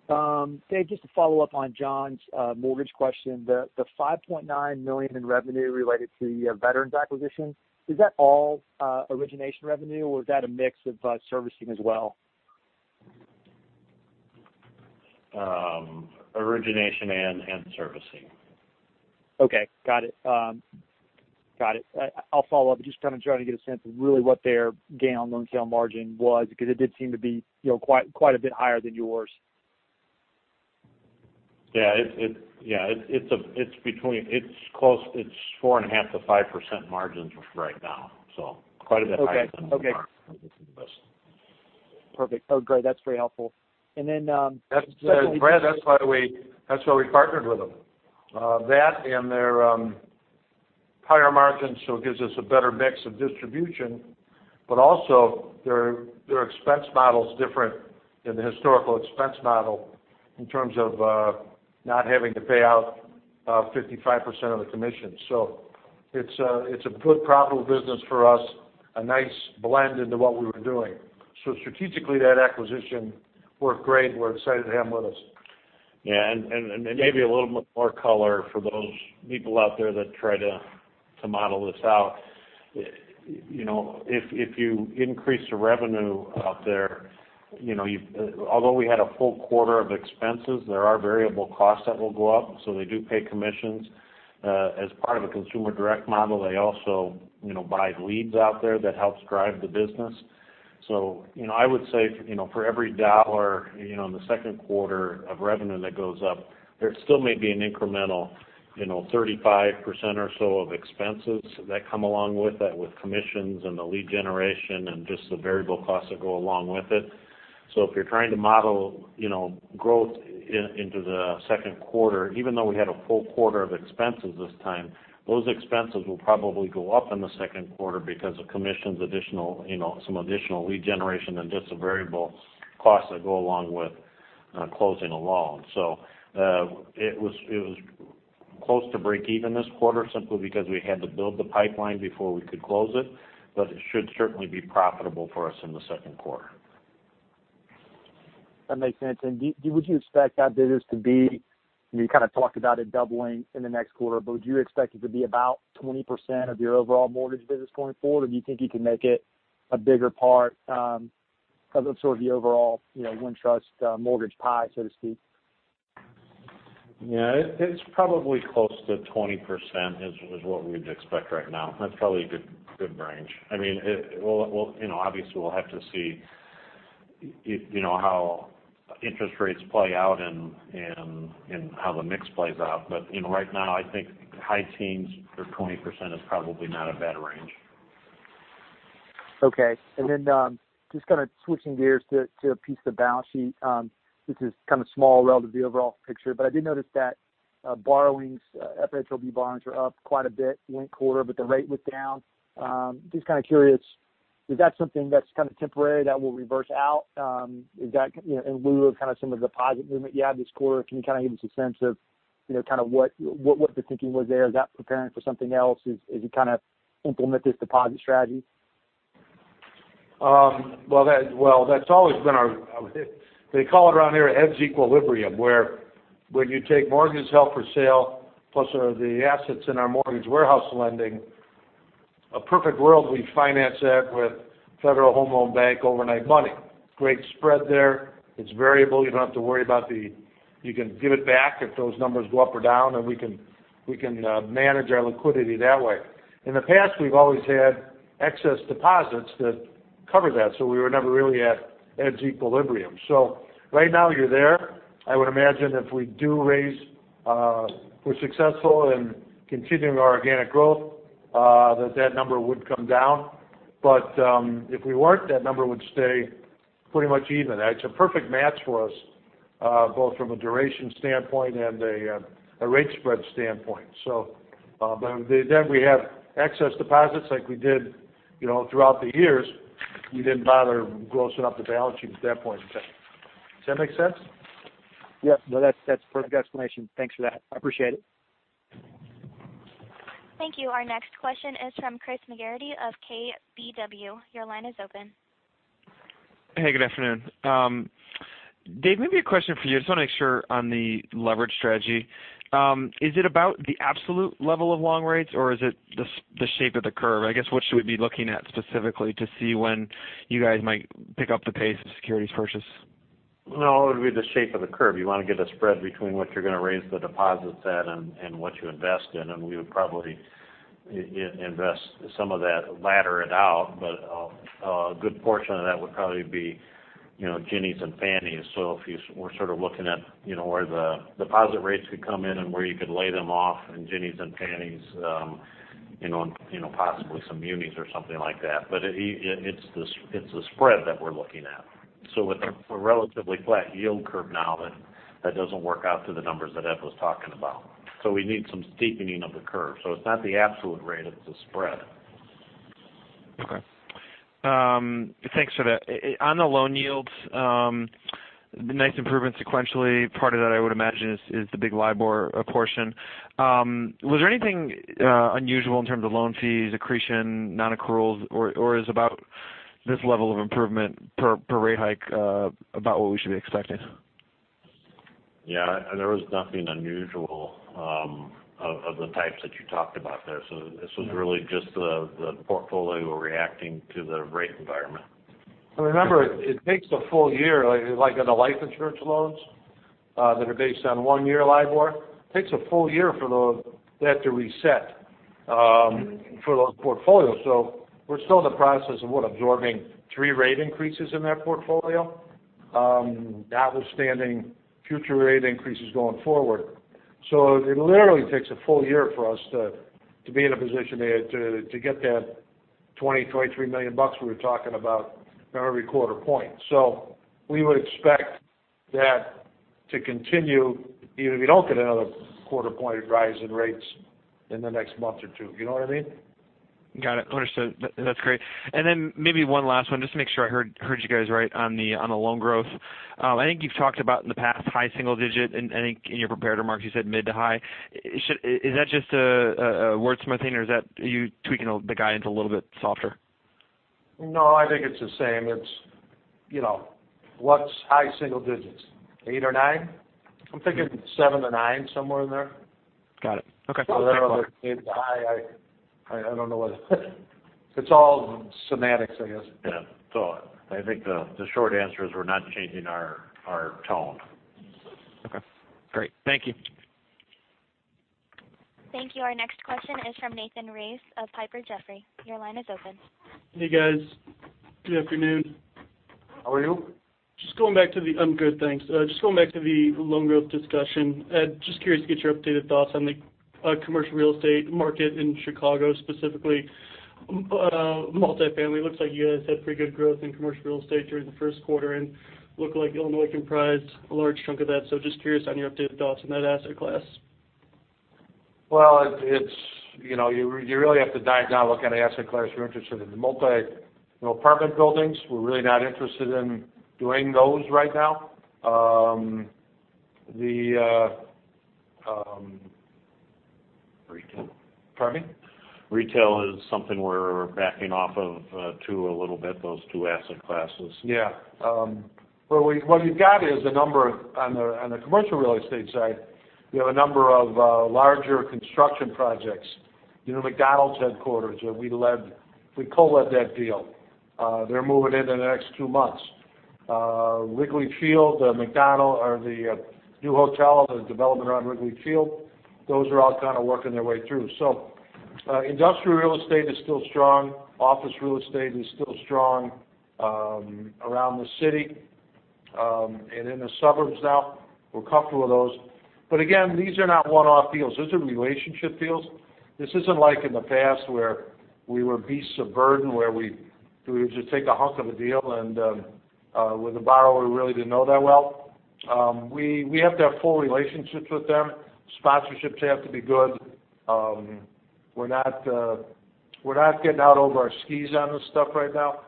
Brad. Dave, just to follow up on Jon's mortgage question, the $5.9 million in revenue related to Veterans acquisition, is that all origination revenue, or is that a mix of servicing as well? Origination and servicing. Okay. Got it. I'll follow up. Just kind of trying to get a sense of really what their gain on loan sale margin was because it did seem to be quite a bit higher than yours. Yeah. It's close. It's 4.5%-5% margins right now. Quite a bit higher than. Okay our existing business. Perfect. Oh, great. That's very helpful. Brad, that's why we partnered with them. That and their higher margins, it gives us a better mix of distribution, but also their expense model is different than the historical expense model in terms of not having to pay out 55% of the commission. It's a good profitable business for us, a nice blend into what we were doing. Strategically, that acquisition worked great. We're excited to have them with us. Yeah. Maybe a little more color for those people out there that try to model this out. If you increase the revenue out there, although we had a full quarter of expenses, there are variable costs that will go up. They do pay commissions. As part of a consumer direct model, they also buy leads out there that helps drive the business. I would say, for every dollar in the second quarter of revenue that goes up, there still may be an incremental 35% or so of expenses that come along with that, with commissions and the lead generation and just the variable costs that go along with it. If you're trying to model growth into the second quarter, even though we had a full quarter of expenses this time, those expenses will probably go up in the second quarter because of commissions, some additional lead generation, and just the variable costs that go along with closing a loan. It was close to breakeven this quarter simply because we had to build the pipeline before we could close it, but it should certainly be profitable for us in the second quarter. That makes sense. Would you expect that business to be you kind of talked about it doubling in the next quarter, but would you expect it to be about 20% of your overall mortgage business going forward? Or do you think you can make it a bigger part of sort of the overall Wintrust mortgage pie, so to speak? It's probably close to 20%, is what we'd expect right now. That's probably a good range. Obviously, we'll have to see how interest rates play out and how the mix plays out. Right now, I think high teens or 20% is probably not a bad range. Just kind of switching gears to a piece of the balance sheet. This is kind of small relative to the overall picture, but I did notice that borrowings, FHLB bonds are up quite a bit linked quarter, but the rate was down. Just kind of curious, is that something that's kind of temporary that will reverse out? In lieu of kind of some of the deposit movement you had this quarter, can you kind of give us a sense of kind of what the thinking was there? Is that preparing for something else as you kind of implement this deposit strategy? They call it around here Ed's equilibrium, where when you take mortgage held for sale, plus the assets in our mortgage warehouse lending, a perfect world, we finance that with Federal Home Loan Bank overnight money. Great spread there. It's variable. You can give it back if those numbers go up or down, and we can manage our liquidity that way. In the past, we've always had excess deposits that cover that, so we were never really at Ed's equilibrium. Right now, you're there. I would imagine if we're successful in continuing our organic growth, that that number would come down. If we weren't, that number would stay pretty much even. It's a perfect match for us, both from a duration standpoint and a rate spread standpoint. The day we have excess deposits like we did throughout the years, we didn't bother grossing up the balance sheet at that point in time. Does that make sense? Yeah. No, that's perfect explanation. Thanks for that. I appreciate it. Thank you. Our next question is from Christopher McGratty of KBW. Your line is open. Hey, good afternoon. Dave, maybe a question for you. I just want to make sure on the leverage strategy. Is it about the absolute level of long rates, or is it the shape of the curve? I guess, what should we be looking at specifically to see when you guys might pick up the pace of securities purchase? It would be the shape of the curve. You want to get a spread between what you're going to raise the deposits at and what you invest in, and we would probably invest some of that, ladder it out. A good portion of that would probably be Ginnies and Fannies. If we're sort of looking at where the deposit rates could come in and where you could lay them off in Ginnies and Fannies, possibly some munis or something like that. It's the spread that we're looking at. With a relatively flat yield curve now, that doesn't work out to the numbers that Ed was talking about. We need some steepening of the curve. It's not the absolute rate, it's the spread. Okay. Thanks for that. On the loan yields, nice improvement sequentially. Part of that, I would imagine, is the big LIBOR portion. Was there anything unusual in terms of loan fees, accretion, non-accruals, or is about this level of improvement per rate hike about what we should be expecting? Yeah. There was nothing unusual of the types that you talked about there. This was really just the portfolio reacting to the rate environment. Remember, it takes a full year, like on the life insurance loans that are based on one-year LIBOR. It takes a full year for that to reset for those portfolios. We're still in the process of what, absorbing three rate increases in that portfolio, notwithstanding future rate increases going forward. It literally takes a full year for us to be in a position to get that $20 million, $23 million we were talking about for every quarter point. We would expect that to continue, even if we don't get another quarter point rise in rates in the next month or two. You know what I mean? Got it. Understood. That's great. Then maybe one last one, just to make sure I heard you guys right on the loan growth. I think you've talked about in the past high single digit, and I think in your prepared remarks, you said mid to high. Is that just a word-smithing or are you tweaking the guidance a little bit softer? No, I think it's the same. What's high single digits? Eight or nine? I'm thinking seven to nine, somewhere in there. Got it. Okay. Mid to high, I don't know what. It's all semantics, I guess. Yeah. I think the short answer is we're not changing our tone. Okay, great. Thank you. Thank you. Our next question is from Nathan Race of Piper Jaffray. Your line is open. Hey, guys. Good afternoon. How are you? I'm good, thanks. Just going back to the loan growth discussion. Just curious to get your updated thoughts on the commercial real estate market in Chicago, specifically multifamily. Looks like you guys had pretty good growth in commercial real estate during the first quarter and looked like Illinois comprised a large chunk of that. Just curious on your updated thoughts on that asset class. Well, you really have to diagnose what kind of asset class you're interested in. The multi apartment buildings, we're really not interested in doing those right now. Retail. Pardon me. Retail is something we're backing off of too, a little bit. Those two asset classes. Yeah. What we've got is on the commercial real estate side, we have a number of larger construction projects. The McDonald's Corporation headquarters, we co-led that deal. They're moving in the next two months. Wrigley Field, the new hotel, the development around Wrigley Field. Those are all kind of working their way through. Industrial real estate is still strong. Office real estate is still strong around the city. In the suburbs now, we're comfortable with those. Again, these are not one-off deals. These are relationship deals. This isn't like in the past where we were beasts of burden, where we would just take a hunk of a deal and with a borrower we really didn't know that well. We have to have full relationships with them. Sponsorships have to be good. We're not getting out over our skis on this stuff right now.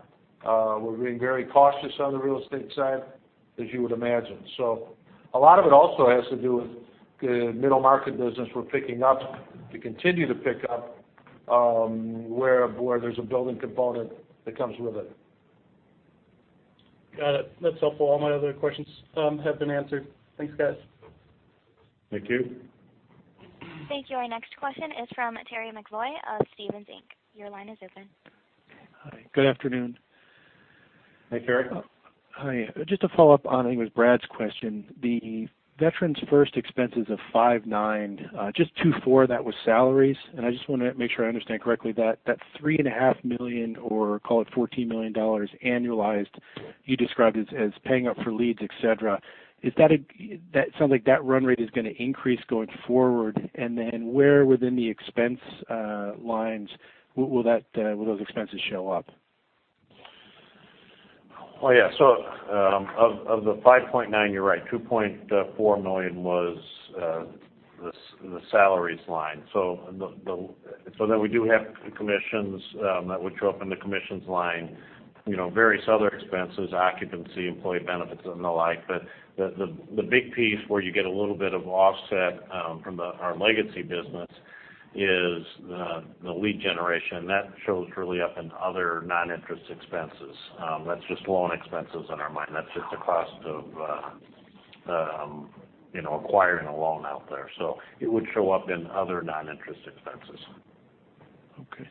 We're being very cautious on the real estate side, as you would imagine. A lot of it also has to do with the middle market business we're picking up, to continue to pick up, where there's a building component that comes with it. Got it. That's helpful. All my other questions have been answered. Thanks, guys. Thank you. Thank you. Our next question is from Terry McEvoy of Stephens Inc. Your line is open. Hi, good afternoon. Hi, Terry. Hi. Just to follow up on, I think it was Brad's question. The Veterans First expenses of $5.9 million, just $2.4 million of that was salaries. I just want to make sure I understand correctly, that $3.5 million or call it $14 million annualized you described as paying up for leads, et cetera. It sounds like that run rate is going to increase going forward. Where within the expense lines will those expenses show up? Yeah. Of the $5.9 million, you're right, $2.4 million was the salaries line. We do have commissions that would show up in the commissions line. Various other expenses, occupancy, employee benefits and the like. The big piece where you get a little bit of offset from our legacy business is the lead generation. That shows really up in other non-interest expenses. That's just loan expenses on our money. That's just the cost of acquiring a loan out there. It would show up in other non-interest expenses. Okay.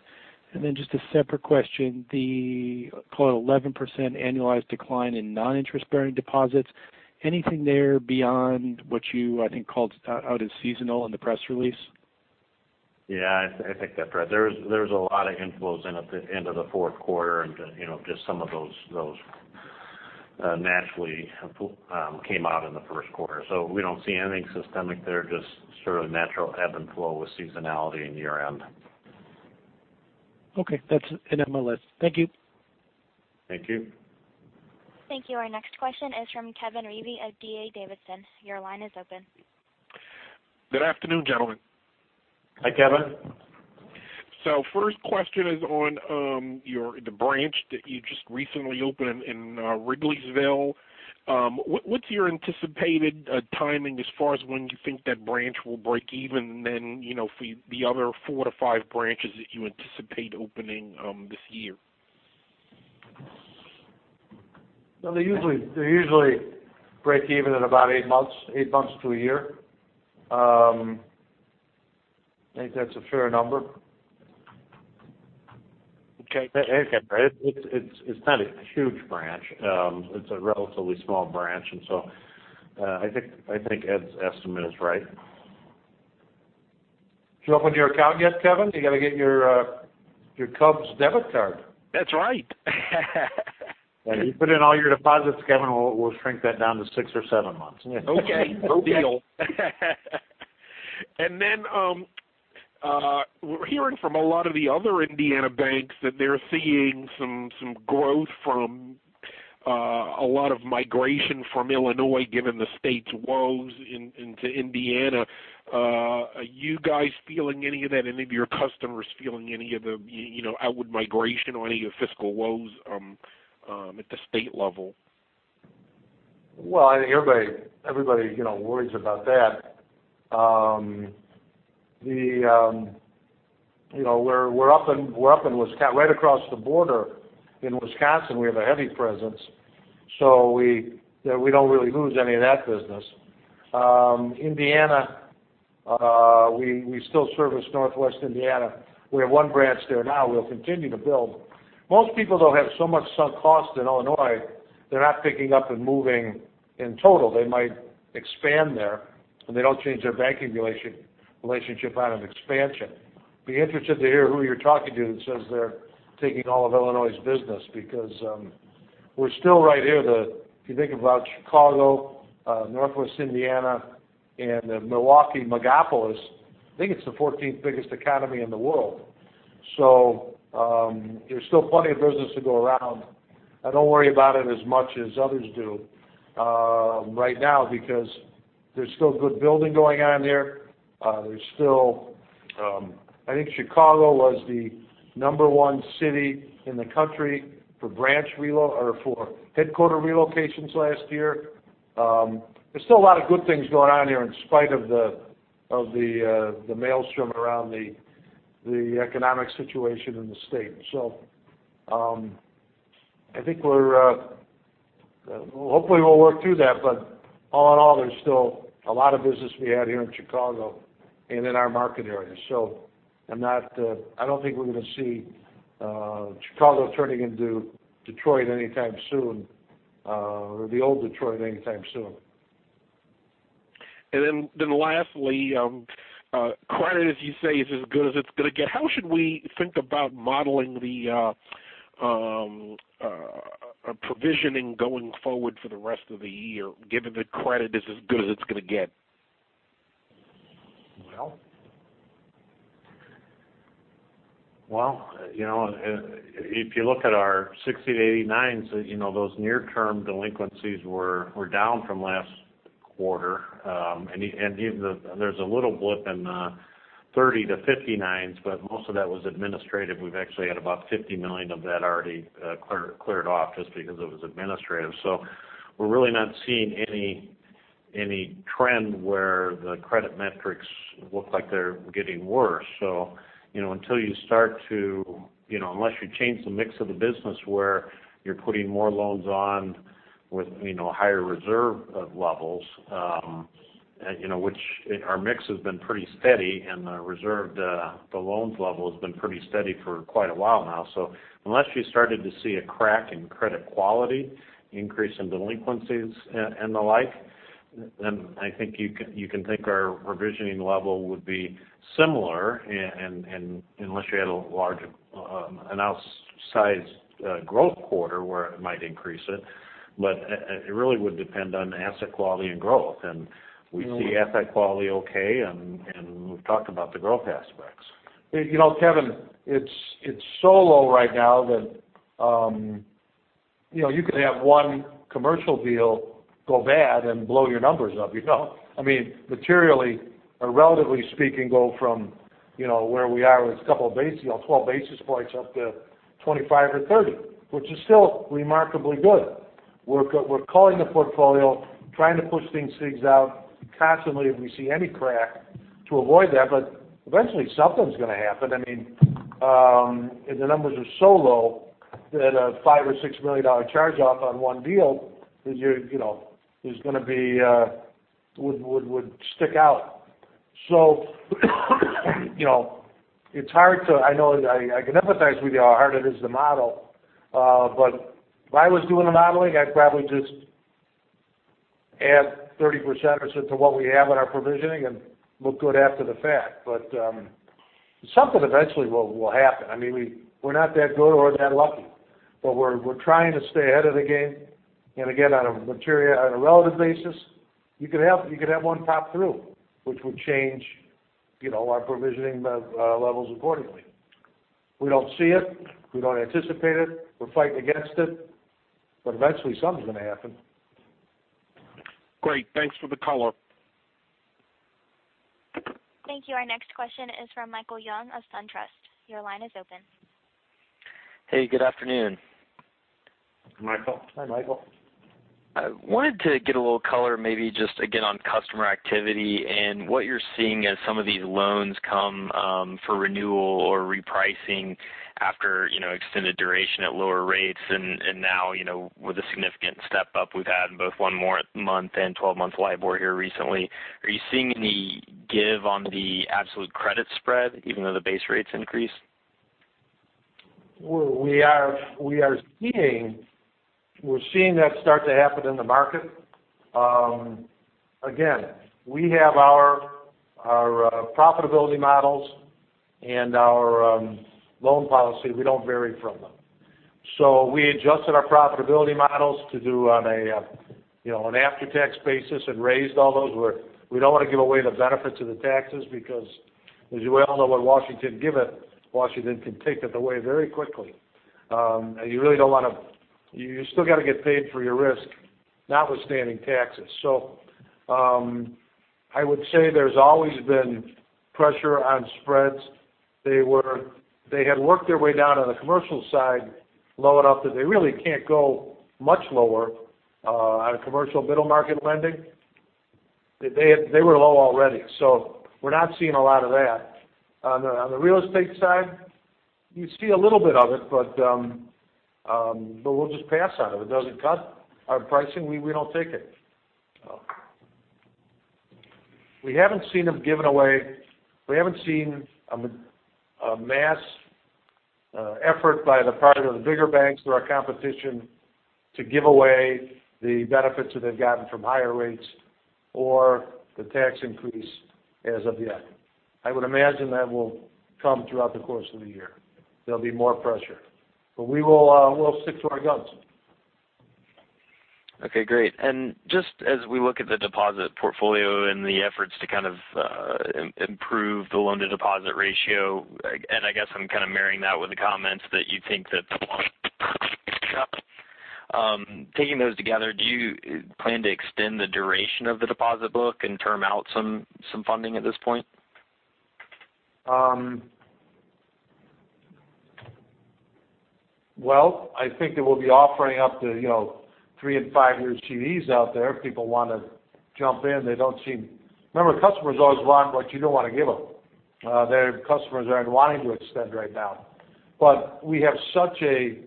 Just a separate question. The call 11% annualized decline in non-interest-bearing deposits. Anything there beyond what you, I think, called out as seasonal in the press release? Yeah. I think that, Brad. There was a lot of inflows in at the end of the fourth quarter and just some of those naturally came out in the first quarter. We don't see anything systemic there, just sort of natural ebb and flow with seasonality in year-end. Okay. (That's an MSRs). Thank you. Thank you. Thank you. Our next question is from Kevin Reevey of D.A. Davidson. Your line is open. Good afternoon, gentlemen. Hi, Kevin. First question is on the branch that you just recently opened in Wrigleyville. What's your anticipated timing as far as when you think that branch will break even, then for the other four to five branches that you anticipate opening this year? Well, they usually break even in about eight months to a year. I think that's a fair number. It's not a huge branch. It's a relatively small branch. I think Ed's estimate is right. Did you open your account yet, Kevin? You got to get your Cubs debit card. That's right. You put in all your deposits, Kevin, we'll shrink that down to six or seven months. Okay. Deal. We're hearing from a lot of the other Indiana banks that they're seeing some growth from a lot of migration from Illinois, given the state's woes into Indiana. Are you guys feeling any of that? Any of your customers feeling any of the outward migration or any of fiscal woes at the state level? Well, I think everybody worries about that. We're up right across the border in Wisconsin, we have a heavy presence. We don't really lose any of that business. Indiana, we still service Northwest Indiana. We have one branch there now. We'll continue to build. Most people, though, have so much sunk cost in Illinois, they're not picking up and moving in total. They might expand there, and they don't change their banking relationship out of expansion. Be interested to hear who you're talking to that says they're taking all of Illinois' business because, we're still right here. If you think about Chicago, Northwest Indiana, and Milwaukee megapolis, I think it's the 14th biggest economy in the world. There's still plenty of business to go around. I don't worry about it as much as others do right now because there's still good building going on there. I think Chicago was the number one city in the country for headquarter relocations last year. There's still a lot of good things going on here in spite of the maelstrom around the economic situation in the state. Hopefully we'll work through that. All in all, there's still a lot of business we have here in Chicago and in our market area. I don't think we're going to see Chicago turning into Detroit anytime soon, or the old Detroit anytime soon. Lastly, credit, as you say, is as good as it's going to get. How should we think about modeling the provisioning going forward for the rest of the year, given the credit is as good as it's going to get? Well. Well, if you look at our 60 to 89s, those near-term delinquencies were down from last quarter. There's a little blip in the 30 to 59s, but most of that was administrative. We've actually had about $50 million of that already cleared off just because it was administrative. We're really not seeing any trend where the credit metrics look like they're getting worse. Unless you change the mix of the business where you're putting more loans on with higher reserve levels. Our mix has been pretty steady and the reserved loans level has been pretty steady for quite a while now. Unless you started to see a crack in credit quality, increase in delinquencies, and the like, then I think you can think our provisioning level would be similar unless you had a large, outsized growth quarter where it might increase it. It really would depend on asset quality and growth. We see asset quality okay, and we've talked about the growth aspects. Kevin, it's so low right now that you could have one commercial deal go bad and blow your numbers up. I mean, materially or relatively speaking, go from where we are with 12 basis points up to 25 or 30, which is still remarkably good. We're culling the portfolio, trying to push things out constantly if we see any crack to avoid that. Eventually something's going to happen. I mean, if the numbers are so low that a $5 million or $6 million charge off on one deal would stick out. I can empathize with you how hard it is to model. If I was doing the modeling, I'd probably just add 30% or so to what we have in our provisioning and look good after the fact. Something eventually will happen. I mean, we're not that good or that lucky, we're trying to stay ahead of the game. Again, on a relative basis, you could have one pop through, which would change our provisioning levels accordingly. We don't see it. We don't anticipate it. We're fighting against it. Eventually, something's going to happen. Great. Thanks for the color. Thank you. Our next question is from Michael Young of SunTrust. Your line is open. Hey, good afternoon. Michael. Hi, Michael. I wanted to get a little color maybe just again on customer activity and what you're seeing as some of these loans come for renewal or repricing after extended duration at lower rates and now with a significant step-up we've had in both one month and 12-month LIBOR here recently. Are you seeing any give on the absolute credit spread even though the base rates increase? We're seeing that start to happen in the market. We have our profitability models and our loan policy. We don't vary from them. We adjusted our profitability models to do on an after-tax basis and raised all those where we don't want to give away the benefits of the taxes because, as you well know, what Washington giveth, Washington can taketh away very quickly. You still got to get paid for your risk, notwithstanding taxes. I would say there's always been pressure on spreads. They had worked their way down on the commercial side low enough that they really can't go much lower on a commercial middle market lending. They were low already. We're not seeing a lot of that. On the real estate side, you see a little bit of it, but we'll just pass on it. It doesn't cut our pricing. We don't take it. We haven't seen a mass effort by the part of the bigger banks who are our competition to give away the benefits that they've gotten from higher rates or the tax increase as of yet. I would imagine that will come throughout the course of the year. There'll be more pressure. We'll stick to our guns. Okay, great. Just as we look at the deposit portfolio and the efforts to kind of improve the loan-to-deposit ratio, and I guess I'm kind of marrying that with the comments that you think that the taking those together, do you plan to extend the duration of the deposit book and term out some funding at this point? Well, I think that we'll be offering up the three and five-year CDs out there. If people want to jump in. Remember, customers always want what you don't want to give them. The customers aren't wanting to extend right now. We have such a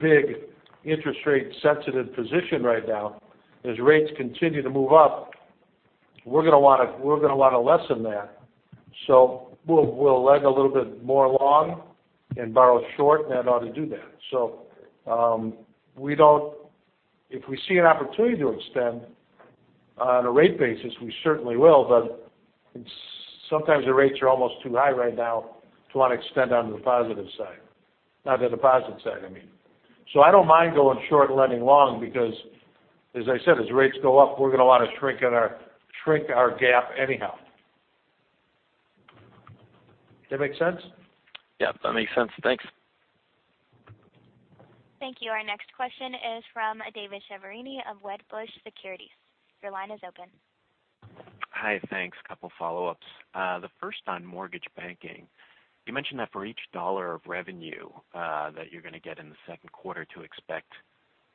big interest rate sensitive position right now. As rates continue to move up, we're going to want to lessen that. We'll lend a little bit more long and borrow short, and that ought to do that. If we see an opportunity to extend on a rate basis, we certainly will, but sometimes the rates are almost too high right now to want to extend on the positive side. On the deposit side, I mean. I don't mind going short and lending long because, as I said, as rates go up, we're going to want to shrink our gap anyhow. That make sense? Yeah, that makes sense. Thanks. Thank you. Our next question is from David Chiaverini of Wedbush Securities. Your line is open. Hi. Thanks. Couple follow-ups. The first on mortgage banking. You mentioned that for each $1 of revenue that you're going to get in the second quarter to expect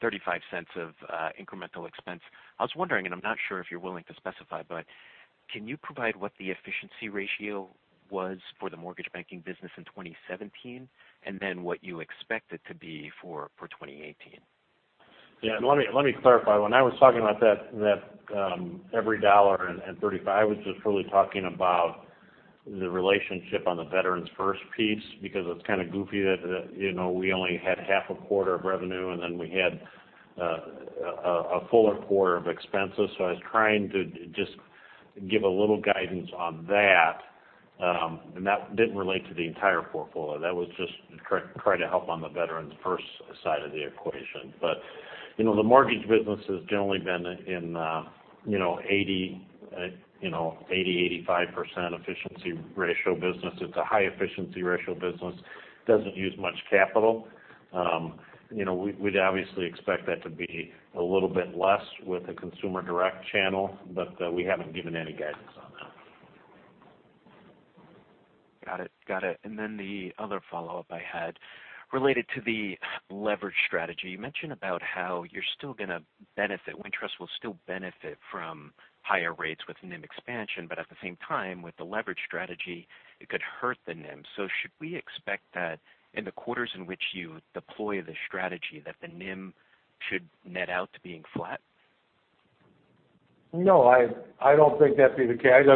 $0.35 of incremental expense. I was wondering, and I'm not sure if you're willing to specify, but can you provide what the efficiency ratio was for the mortgage banking business in 2017 and then what you expect it to be for 2018? Let me clarify. When I was talking about that every $1.35, I was just really talking about the relationship on the Veterans First piece because it's kind of goofy that we only had half a quarter of revenue, then we had a fuller quarter of expenses. I was trying to just give a little guidance on that. That didn't relate to the entire portfolio. That was just to try to help on the Veterans First side of the equation. But the mortgage business has generally been in 80%-85% efficiency ratio business. It's a high efficiency ratio business. Doesn't use much capital. We'd obviously expect that to be a little bit less with the consumer direct channel, but we haven't given any guidance on that. Got it. The other follow-up I had related to the leverage strategy. You mentioned about how Wintrust will still benefit from higher rates with NIM expansion, but at the same time, with the leverage strategy, it could hurt the NIM. Should we expect that in the quarters in which you deploy the strategy that the NIM should net out to being flat? I don't think that'd be the case.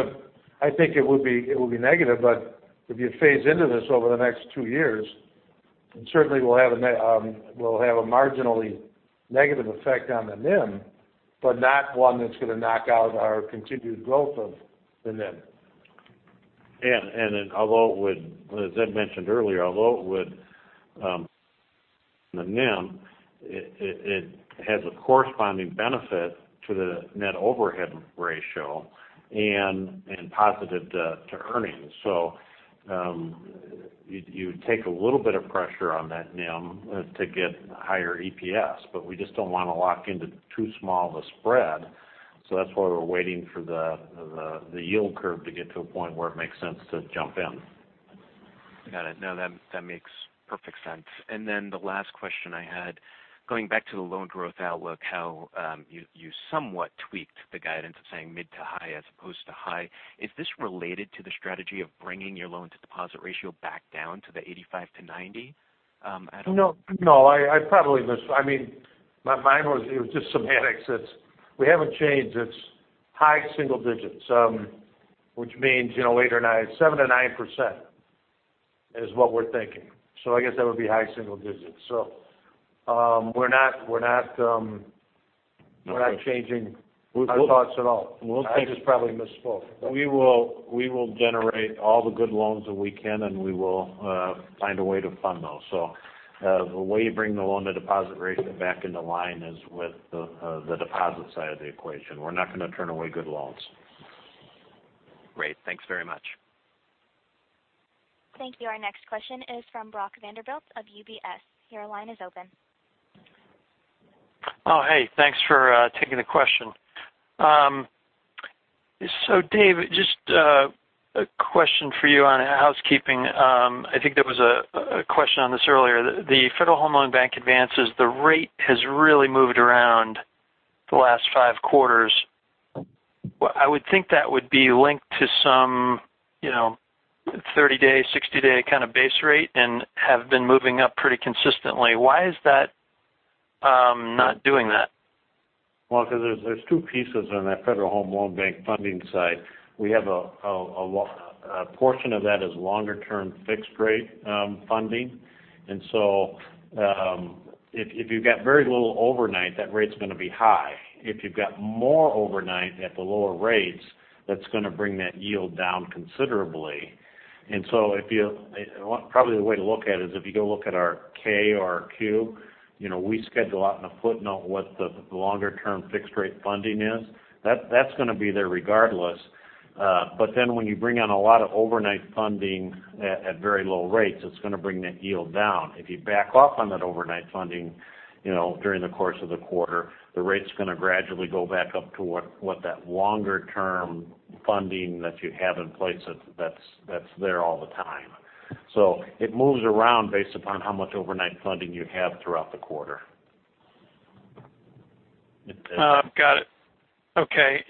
I think it would be negative. If you phase into this over the next 2 years, certainly will have a marginally negative effect on the NIM, but not one that's going to knock out our continued growth of the NIM. As Ed mentioned earlier, although it, it has a corresponding benefit to the net overhead ratio and positive to earnings. You take a little bit of pressure on that NIM to get higher EPS, we just don't want to lock into too small of a spread. That's why we're waiting for the yield curve to get to a point where it makes sense to jump in. Got it. No, that makes perfect sense. The last question I had, going back to the loan growth outlook, how you somewhat tweaked the guidance of saying mid to high as opposed to high. No, I probably misspoke. It was just semantics. We haven't changed. It's high single digits. Which means, eight or nine, 7%-9% is what we're thinking. I guess that would be high single digits. We're not changing our thoughts at all. I just probably misspoke. We will generate all the good loans that we can, and we will find a way to fund those. The way you bring the loan to deposit ratio back into line is with the deposit side of the equation. We're not going to turn away good loans. Great. Thanks very much. Thank you. Our next question is from Brock Vandervliet of UBS. Your line is open. Oh, hey. Thanks for taking the question. Dave, just a question for you on housekeeping. I think there was a question on this earlier. The Federal Home Loan Bank advances, the rate has really moved around the last five quarters. I would think that would be linked to some 30 day, 60 day kind of base rate, have been moving up pretty consistently. Why is that not doing that? Well, because there's two pieces on that Federal Home Loan Bank funding side. We have a portion of that as longer term fixed rate funding. If you've got very little overnight, that rate's going to be high. If you've got more overnight at the lower rates, that's going to bring that yield down considerably. Probably the way to look at it is if you go look at our K or our Q, we schedule out in a footnote what the longer term fixed rate funding is. That's going to be there regardless. When you bring on a lot of overnight funding at very low rates, it's going to bring that yield down. If you back off on that overnight funding during the course of the quarter, the rate's going to gradually go back up to what that longer term funding that you have in place that's there all the time. It moves around based upon how much overnight funding you have throughout the quarter. Got it. Okay.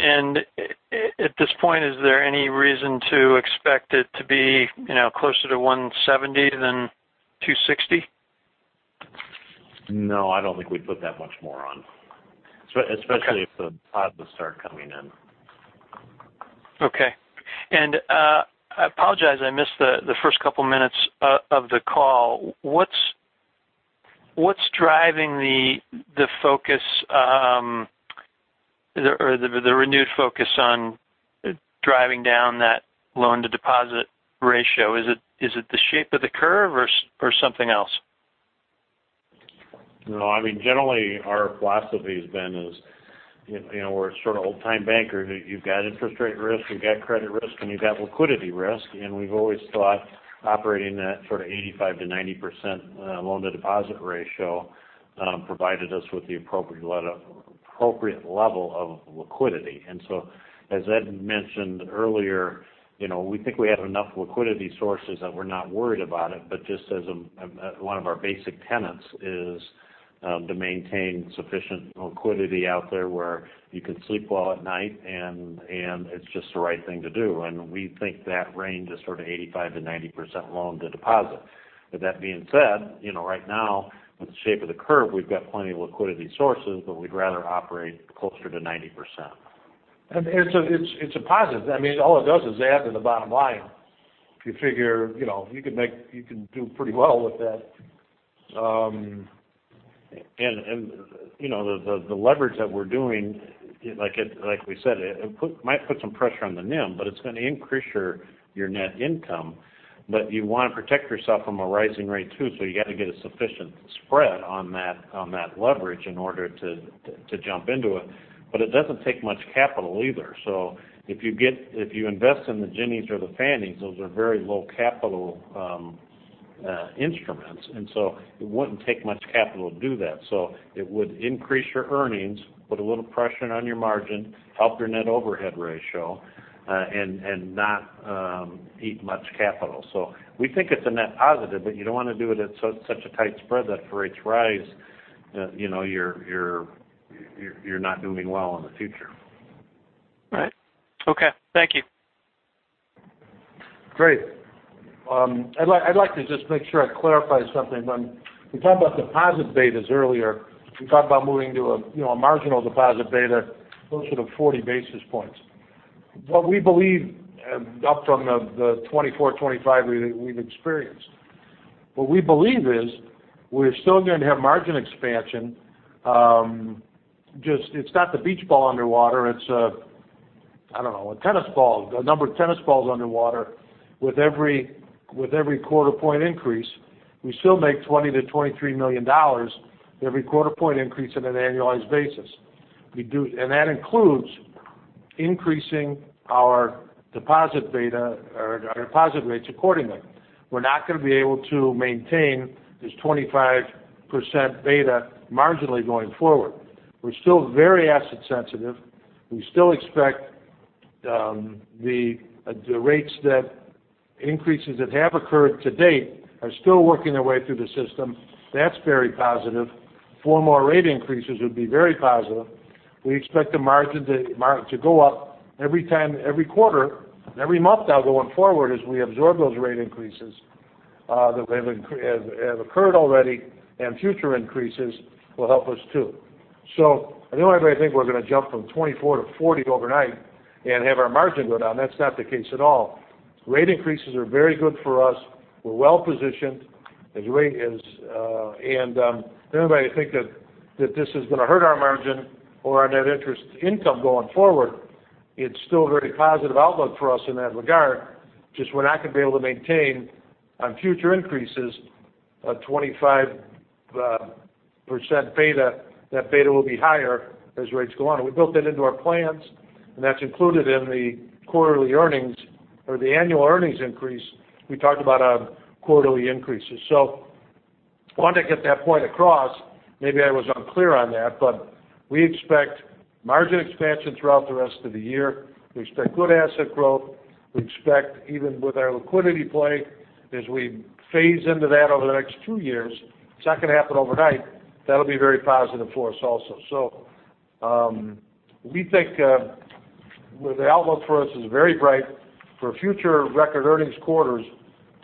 At this point, is there any reason to expect it to be closer to $170 than $260? No, I don't think we'd put that much more on, especially if the deposits start coming in. Okay. I apologize, I missed the first couple minutes of the call. What's driving the renewed focus on driving down that loan to deposit ratio? Is it the shape of the curve or something else? No, generally, our philosophy has been is we're sort of old-time bankers. You've got interest rate risk, you've got credit risk, and you've got liquidity risk. We've always thought operating that sort of 85%-90% loan to deposit ratio provided us with the appropriate level of liquidity. As Ed mentioned earlier, we think we have enough liquidity sources that we're not worried about it. Just as one of our basic tenets is to maintain sufficient liquidity out there where you can sleep well at night and it's just the right thing to do. We think that range is sort of 85%-90% loan to deposit. With that being said, right now with the shape of the curve, we've got plenty of liquidity sources, we'd rather operate closer to 90%. It's a positive. All it does is add to the bottom line. If you figure you can do pretty well with that. The leverage that we're doing, like we said, it might put some pressure on the NIM, it's going to increase your net income. You want to protect yourself from a rising rate too, so you got to get a sufficient spread on that leverage in order to jump into it. It doesn't take much capital either. If you invest in the Ginnies or the Fannies, those are very low capital instruments. It wouldn't take much capital to do that. It would increase your earnings, put a little pressure on your margin, help your net overhead ratio, and not eat much capital. We think it's a net positive, but you don't want to do it at such a tight spread that for each rise, you're not doing well in the future. Right. Okay. Thank you. Great. I'd like to just make sure I clarify something. When we talked about deposit betas earlier, we talked about moving to a marginal deposit beta closer to 40 basis points up from the 24, 25 we've experienced. What we believe is we're still going to have margin expansion. Just it's not the beach ball underwater I don't know, a tennis ball, a number of tennis balls underwater with every quarter point increase. We still make $20 million-$23 million every quarter point increase on an annualized basis. That includes increasing our deposit rates accordingly. We're not going to be able to maintain this 25% beta marginally going forward. We're still very asset sensitive. We still expect the rates that increases that have occurred to date are still working their way through the system. That's very positive. Four more rate increases would be very positive. We expect the margin to go up every time, every quarter, and every month now going forward, as we absorb those rate increases that have occurred already, and future increases will help us too. I know everybody thinks we're going to jump from 24 to 40 overnight and have our margin go down. That's not the case at all. Rate increases are very good for us. We're well positioned. Anybody think that this is going to hurt our margin or our net interest income going forward, it's still a very positive outlook for us in that regard. Just we're not going to be able to maintain on future increases a 25% beta. That beta will be higher as rates go on. We built that into our plans, and that's included in the quarterly earnings or the annual earnings increase we talked about on quarterly increases. I wanted to get that point across. Maybe I was unclear on that, but we expect margin expansion throughout the rest of the year. We expect good asset growth. We expect, even with our liquidity play, as we phase into that over the next two years, it's not going to happen overnight. That'll be very positive for us also. We think the outlook for us is very bright for future record earnings quarters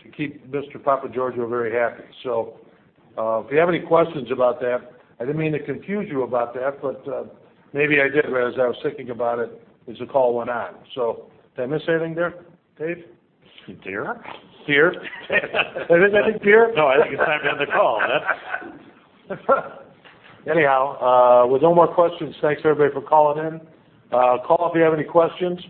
to keep Mr. Papageorgiou very happy. If you have any questions about that, I didn't mean to confuse you about that, but maybe I did as I was thinking about it as the call went on. Did I miss anything there, Dave? Dear? Dear. Did I miss anything, dear? No, I think it's time to end the call, man. Anyhow, with no more questions, thanks everybody for calling in. Call if you have any questions